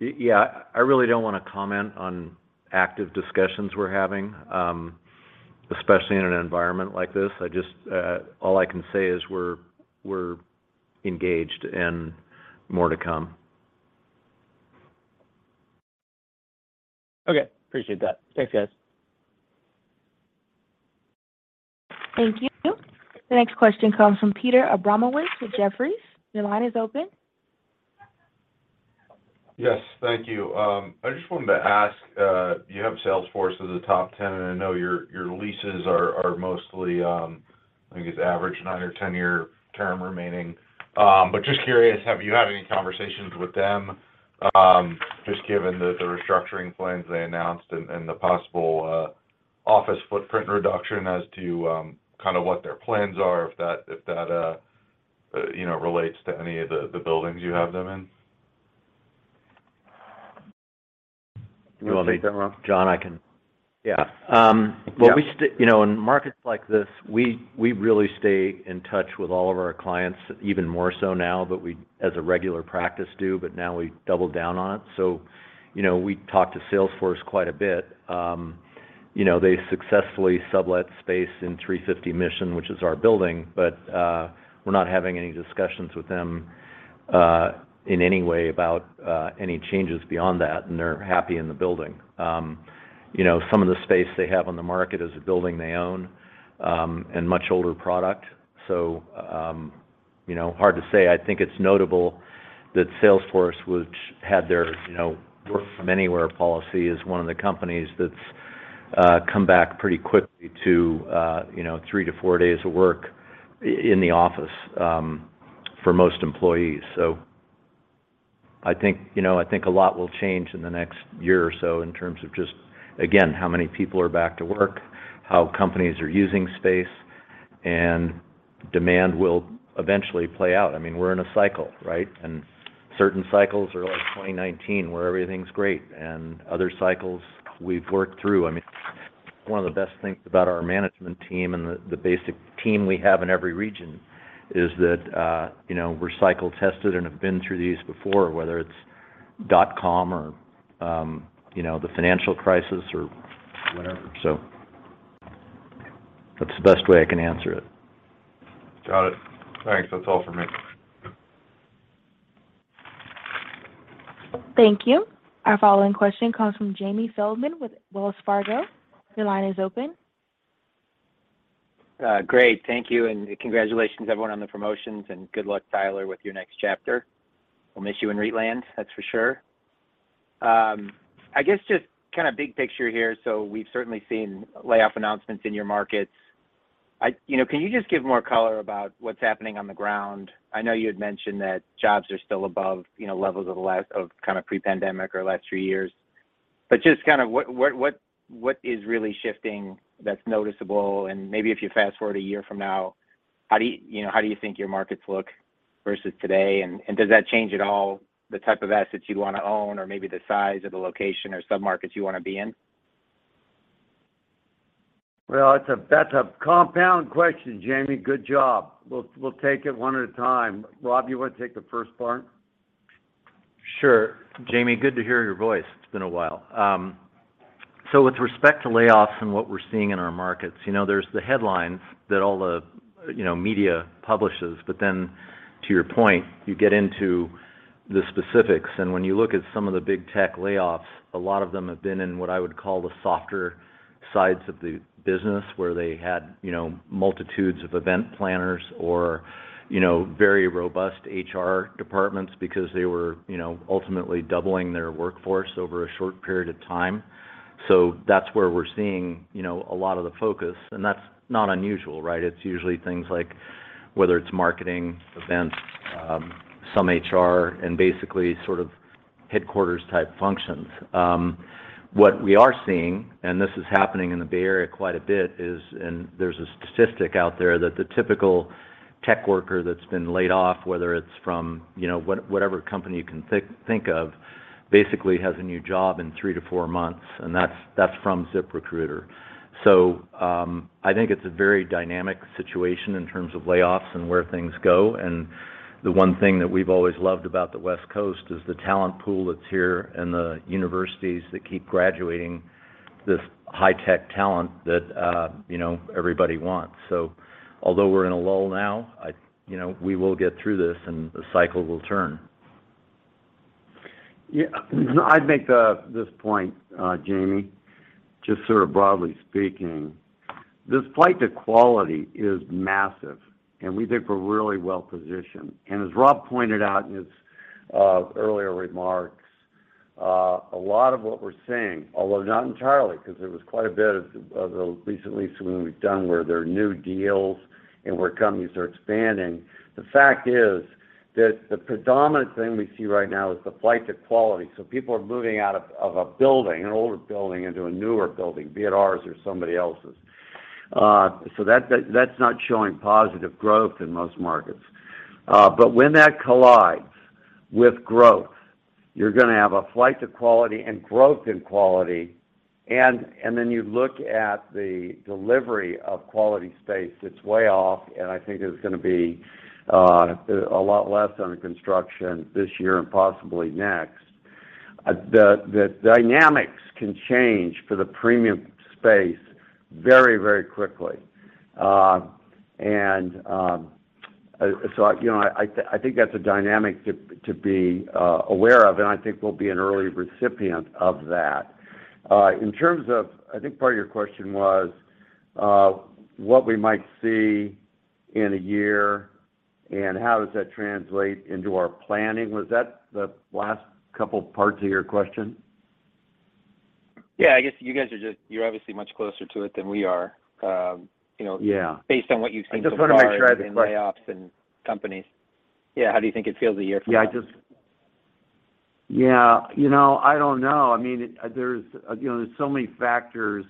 Yeah, I really don't wanna comment on active discussions we're having, especially in an environment like this. I just all I can say is we're engaged and more to come. Okay. Appreciate that. Thanks, guys. Thank you. The next question comes from Peter Abramowitz with Jefferies. Your line is open. Yes. Thank you. I just wanted to ask, you have Salesforce as a top 10, and I know your leases are mostly, I think it's average nine or 10-year term remaining. Just curious, have you had any conversations with them, just given the restructuring plans they announced and the possible, office footprint reduction as to, kind of what their plans are, if that, you know, relates to any of the buildings you have them in? You want to take that, Rob? John, I can. Yeah. Well. Yeah. You know, in markets like this, we really stay in touch with all of our clients even more so now, but we, as a regular practice do, but now we've doubled down on it. You know, we talk to Salesforce quite a bit. You know, they successfully sublet space in 350 Mission, which is our building, we're not having any discussions with them in any way about any changes beyond that, and they're happy in the building. You know, some of the space they have on the market is a building they own and much older product. Hard to say. I think it's notable that Salesforce, which had their, you know, work from anywhere policy, is one of the companies that's come back pretty quickly to, you know, three to four days of work in the office for most employees. I think, you know, I think a lot will change in the next year or so in terms of just, again, how many people are back to work, how companies are using space, and demand will eventually play out. I mean, we're in a cycle, right? Certain cycles are like 2019, where everything's great, and other cycles we've worked through. I mean, one of the best things about our management team and the basic team we have in every region is that, you know, we're cycle tested and have been through these before, whether it's dot-com or, you know, the financial crisis or whatever. That's the best way I can answer it. Got it. Thanks. That's all for me. Thank you. Our following question comes from Jamie Feldman with Wells Fargo. Your line is open. Great. Thank you. Congratulations everyone on the promotions. Good luck, Tyler, with your next chapter. We'll miss you in REIT land, that's for sure. I guess just kinda big picture here, we've certainly seen layoff announcements in your markets. You know, can you just give more color about what's happening on the ground? I know you had mentioned that jobs are still above, you know, levels of the last of kind of pre-pandemic or the last few years. Just kind of what is really shifting that's noticeable? Maybe if you fast-forward a year from now, how do, you know, how do you think your markets look versus today? Does that change at all the type of assets you'd wanna own or maybe the size or the location or sub-markets you wanna be in? Well, that's a compound question, Jamie. Good job. We'll take it one at a time. Rob, you wanna take the first part? Sure. Jamie, good to hear your voice. It's been a while. With respect to layoffs and what we're seeing in our markets, you know, there's the headlines that all the, you know, media publishes. To your point, you get into the specifics, and when you look at some of the big tech layoffs, a lot of them have been in what I would call the softer sides of the business, where they had, you know, multitudes of event planners or, you know, very robust HR departments because they were, you know, ultimately doubling their workforce over a short period of time. That's where we're seeing, you know, a lot of the focus, and that's not unusual, right? It's usually things like whether it's marketing events, some HR, and basically sort of headquarters-type functions. What we are seeing, this is happening in the Bay Area quite a bit, is, and there's a statistic out there that the typical tech worker that's been laid off, whether it's from, you know, whatever company you can think of, basically has a new job in three to four months, and that's from ZipRecruiter. I think it's a very dynamic situation in terms of layoffs and where things go. The one thing that we've always loved about the West Coast is the talent pool that's here and the universities that keep graduating this high-tech talent that, you know, everybody wants. Although we're in a lull now, I, you know, we will get through this, and the cycle will turn. I'd make this point, Jamie, just sort of broadly speaking. This flight to quality is massive, and we think we're really well positioned. As Rob pointed out in his earlier remarks, a lot of what we're seeing, although not entirely, 'cause there was quite a bit of the recent leases we've done where there are new deals and where companies are expanding. The fact is that the predominant thing we see right now is the flight to quality, so people are moving out of a building, an older building, into a newer building, be it ours or somebody else's. That's not showing positive growth in most markets. When that collides with growth, you're gonna have a flight to quality and growth in quality, and then you look at the delivery of quality space that's way off, and I think there's gonna be a lot less under construction this year and possibly next. The dynamics can change for the premium space very, very quickly. You know, I think that's a dynamic to be aware of, and I think we'll be an early recipient of that. In terms of—I think part of your question was, what we might see in a year and how does that translate into our planning? Was that the last couple parts of your question? Yeah. I guess you're obviously much closer to it than we are, you know, based on what you've seen so far, min layoffs and companies. Yeah. How do you think it feels a year from now? Yeah. You know, I don't know. I mean, there's, you know, there's so many factors.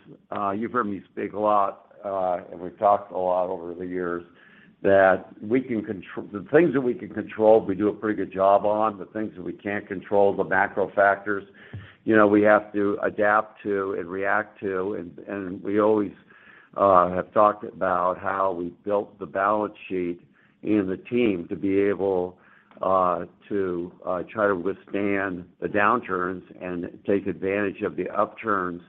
You've heard me speak a lot, and we've talked a lot over the years that the things that we can control, we do a pretty good job on. The things that we can't control, the macro factors, you know, we have to adapt to and react to and we always have talked about how we've built the balance sheet and the team to be able to try to withstand the downturns and take advantage of the upturns.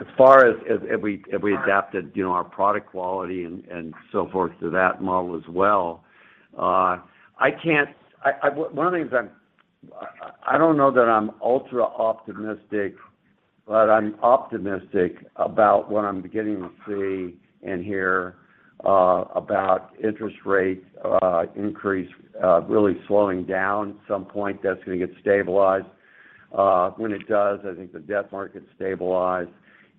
As far as we, as we adapted, you know, our product quality and so forth to that model as well, One of the things I don't know that I'm ultra optimistic, but I'm optimistic about what I'm beginning to see and hear about interest rates increase really slowing down. At some point, that's gonna get stabilized. When it does, I think the debt market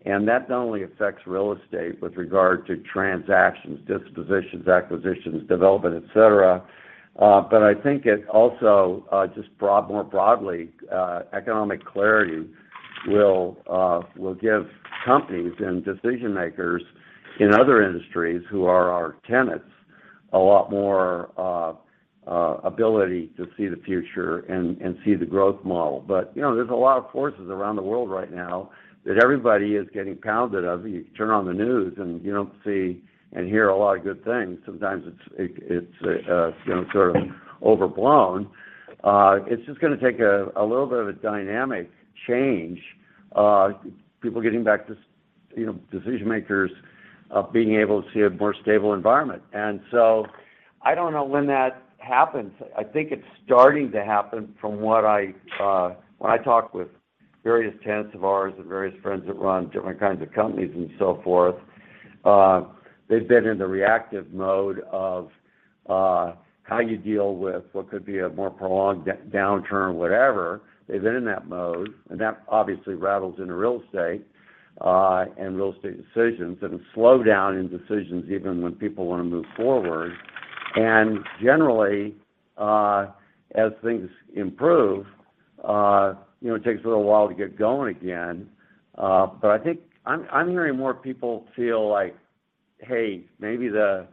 stabilize. That not only affects real estate with regard to transactions, dispositions, acquisitions, development, et cetera, but I think it also just more broadly economic clarity will give companies and decision-makers in other industries who are our tenants a lot more ability to see the future and see the growth model. You know, there's a lot of forces around the world right now that everybody is getting pounded of. You turn on the news, and you don't see and hear a lot of good things. Sometimes it's, you know, sort of overblown. It's just gonna take a little bit of a dynamic change, people getting back to you know, decision-makers, being able to see a more stable environment. I don't know when that happens. I think it's starting to happen from when I talk with various tenants of ours and various friends that run different kinds of companies and so forth. They've been in the reactive mode of how you deal with what could be a more prolonged downturn, whatever. They've been in that mode, and that obviously rattles into real estate, and real estate decisions, and a slowdown in decisions even when people wanna move forward. Generally, as things improve, you know, it takes a little while to get going again. I think I'm hearing more people feel like, "Hey, maybe the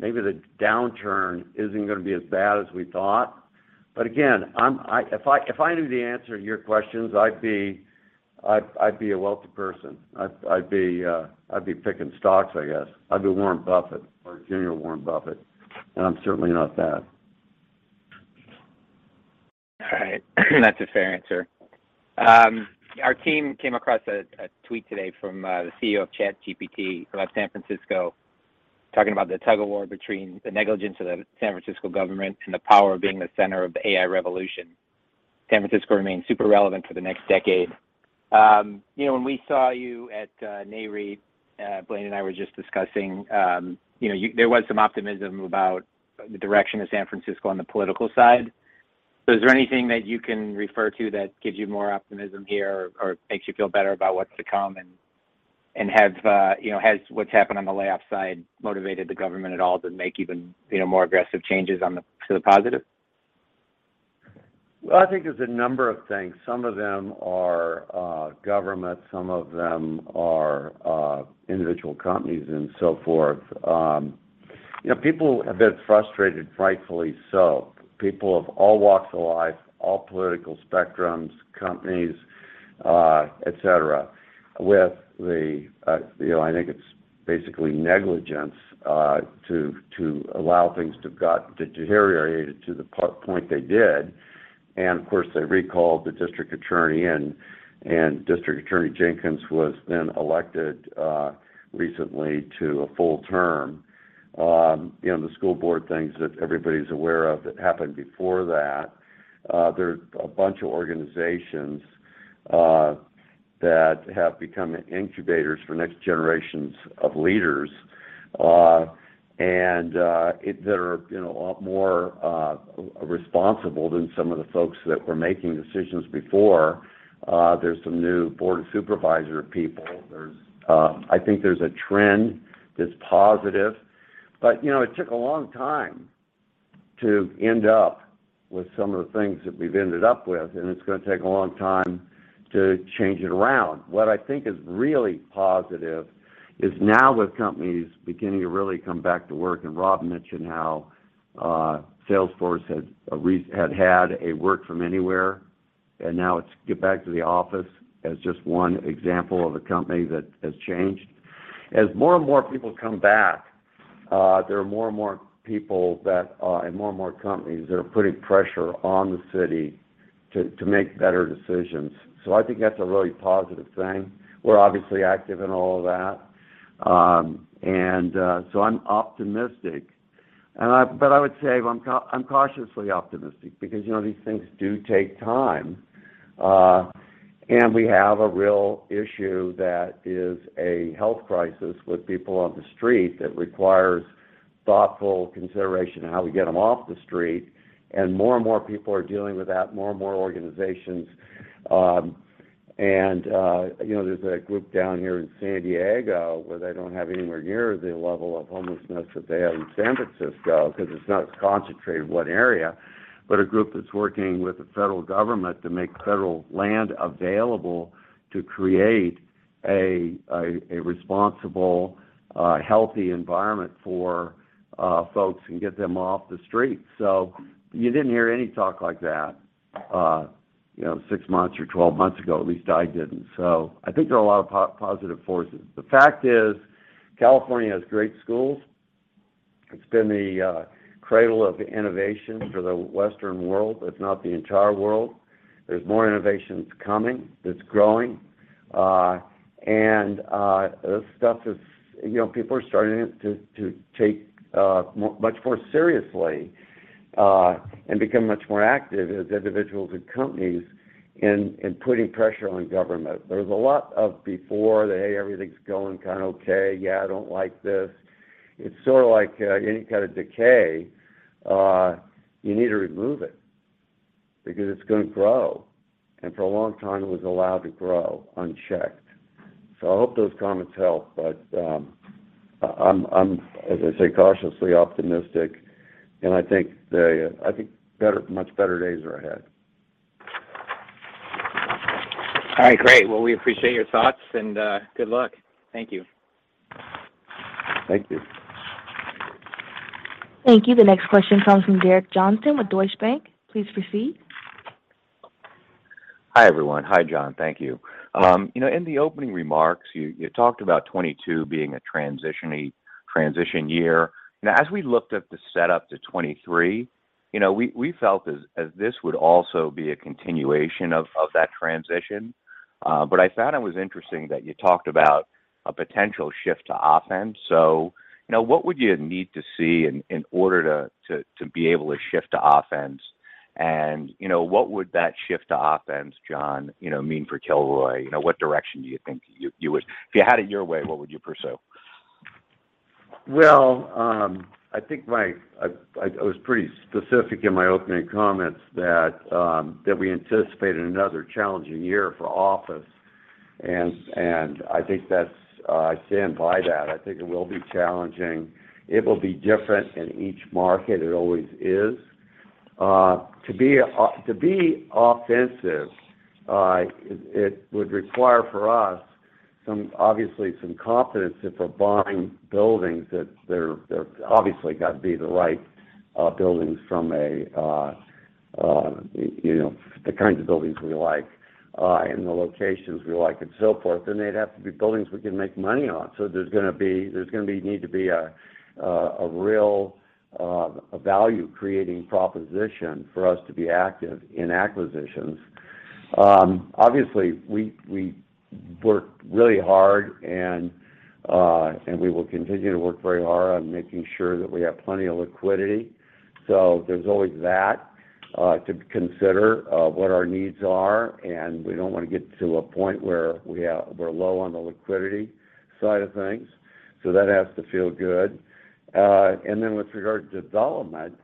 downturn isn't gonna be as bad as we thought." Again, If I knew the answer to your questions, I'd be a wealthy person. I'd be picking stocks, I guess. I'd be Warren Buffett or junior Warren Buffett, and I'm certainly not that. All right. That's a fair answer. Our team came across a tweet today from the CEO of ChatGPT about San Francisco talking about the tug-of-war between the negligence of the San Francisco government and the power of being the center of the AI revolution. San Francisco remains super relevant for the next decade. You know, when we saw you at NAREIT, Blaine and I were just discussing, you know, there was some optimism about the direction of San Francisco on the political side. Is there anything that you can refer to that gives you more optimism here or makes you feel better about what's to come? Have, you know, has what's happened on the layoff side motivated the government at all to make even, you know, more aggressive changes to the positive? Well, I think there's a number of things. Some of them are government, some of them are individual companies and so forth. You know, people have been frustrated, rightfully so. People of all walks of life, all political spectrums, companies, et cetera, with the, you know, I think it's basically negligence, to allow things to have got deteriorated to the point they did. Of course, they recalled the District Attorney in, and District Attorney Jenkins was then elected recently to a full term. You know, the school board things that everybody's aware of that happened before that. There's a bunch of organizations that have become incubators for next generations of leaders, and that are, you know, a lot more responsible than some of the folks that were making decisions before. There's some new board of supervisor people. There's I think there's a trend that's positive. You know, it took a long time to end up with some of the things that we've ended up with, and it's gonna take a long time to change it around. What I think is really positive is now with companies beginning to really come back to work, and Rob mentioned how Salesforce had a work from anywhere, and now it's get back to the office as just one example of a company that has changed. As more and more people come back, there are more and more people that, and more and more companies that are putting pressure on the city to make better decisions. I think that's a really positive thing. We're obviously active in all of that. I'm optimistic. I would say I'm cautiously optimistic because, you know, these things do take time. We have a real issue that is a health crisis with people on the street that requires thoughtful consideration of how we get them off the street. More and more people are dealing with that, more and more organizations. You know, there's a group down here in San Diego, where they don't have anywhere near the level of homelessness that they have in San Francisco 'cause it's not as concentrated one area. A group that's working with the federal government to make federal land available to create a responsible, healthy environment for folks and get them off the street. You didn't hear any talk like that, you know, six months or 12 months ago, at least I didn't. I think there are a lot of positive forces. The fact is, California has great schools. It's been the cradle of innovation for the Western world, if not the entire world. There's more innovations coming, that's growing, and stuff is. You know, people are starting to take much more seriously and become much more active as individuals and companies in putting pressure on government. There's a lot of before, the, "Hey, everything's going kind of okay. Yeah, I don't like this." It's sort of like any kind of decay, you need to remove it because it's gonna grow. For a long time, it was allowed to grow unchecked. I hope those comments help, but, I'm, as I say, cautiously optimistic, and I think the, I think better, much better days are ahead. All right, great. Well, we appreciate your thoughts, and good luck. Thank you. Thank you. Thank you. The next question comes from Derek Johnston with Deutsche Bank. Please proceed. Hi, everyone. Hi, John. Thank you. You know, in the opening remarks, you talked about 2022 being a transition year. As we looked at the setup to 2023, you know, we felt as this would also be a continuation of that transition. I thought it was interesting that you talked about a potential shift to offense. You know, what would you need to see in order to be able to shift to offense? You know, what would that shift to offense, John, you know, mean for Kilroy? You know, what direction do you think you would, if you had it your way, what would you pursue? I think I was pretty specific in my opening comments that we anticipated another challenging year for office, and I think that's, I stand by that. I think it will be challenging. It will be different in each market, it always is. To be offensive, it would require for us some, obviously some confidence if we're buying buildings that they're obviously gotta be the right buildings from a, you know, the kinds of buildings we like and the locations we like and so forth. They'd have to be buildings we can make money on. There's gonna be need to be a real value-creating proposition for us to be active in acquisitions. Obviously, we work really hard and we will continue to work very hard on making sure that we have plenty of liquidity. There's always that to consider, what our needs are, and we don't wanna get to a point where we're low on the liquidity side of things. That has to feel good. With regard to development,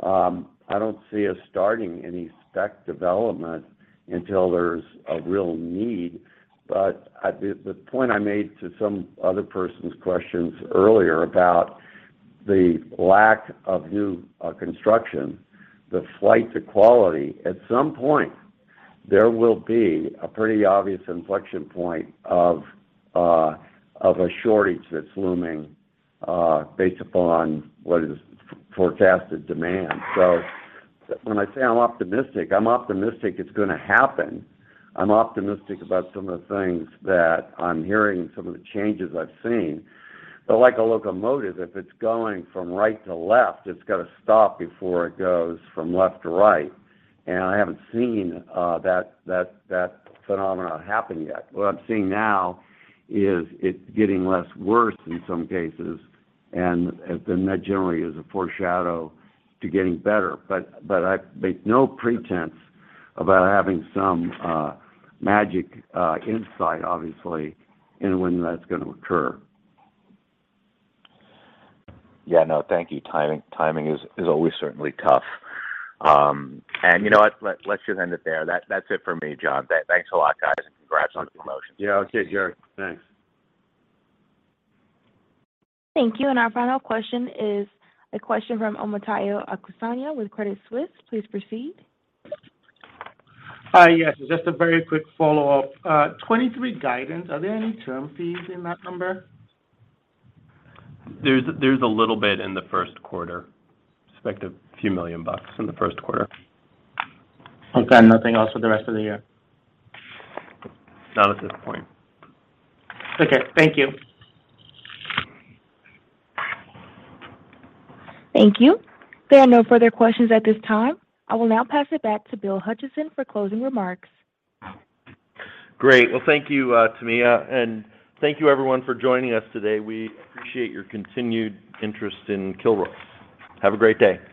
I don't see us starting any spec development until there's a real need. At the point I made to some other person's questions earlier about the lack of new construction, the flight to quality, at some point, there will be a pretty obvious inflection point of a shortage that's looming, based upon what is forecasted demand. When I say I'm optimistic, I'm optimistic it's gonna happen. I'm optimistic about some of the things that I'm hearing, some of the changes I've seen. Like a locomotive, if it's going from right to left, it's gotta stop before it goes from left to right. I haven't seen that phenomenon happen yet. What I'm seeing now is it getting less worse in some cases, and then that generally is a foreshadow to getting better. I make no pretense about having some magic insight, obviously, in when that's gonna occur. Yeah. No, thank you. Timing is always certainly tough. You know what? Let's just end it there. That's it for me, John. Thanks a lot, guys, congrats on the promotion. Yeah. Okay, Derek. Thanks. Thank you. Our final question is a question from Omotayo Okusanya with Credit Suisse. Please proceed. Hi. Yes. Just a very quick follow-up. 2023 guidance, are there any term fees in that number? There's a little bit in the first quarter. Expect a few million bucks in the first quarter. Okay. Nothing else for the rest of the year? Not at this point. Okay. Thank you. Thank you. There are no further questions at this time. I will now pass it back to Bill Hutcheson for closing remarks. Great. Well, thank you, Tamia, and thank you everyone for joining us today. We appreciate your continued interest in Kilroy. Have a great day.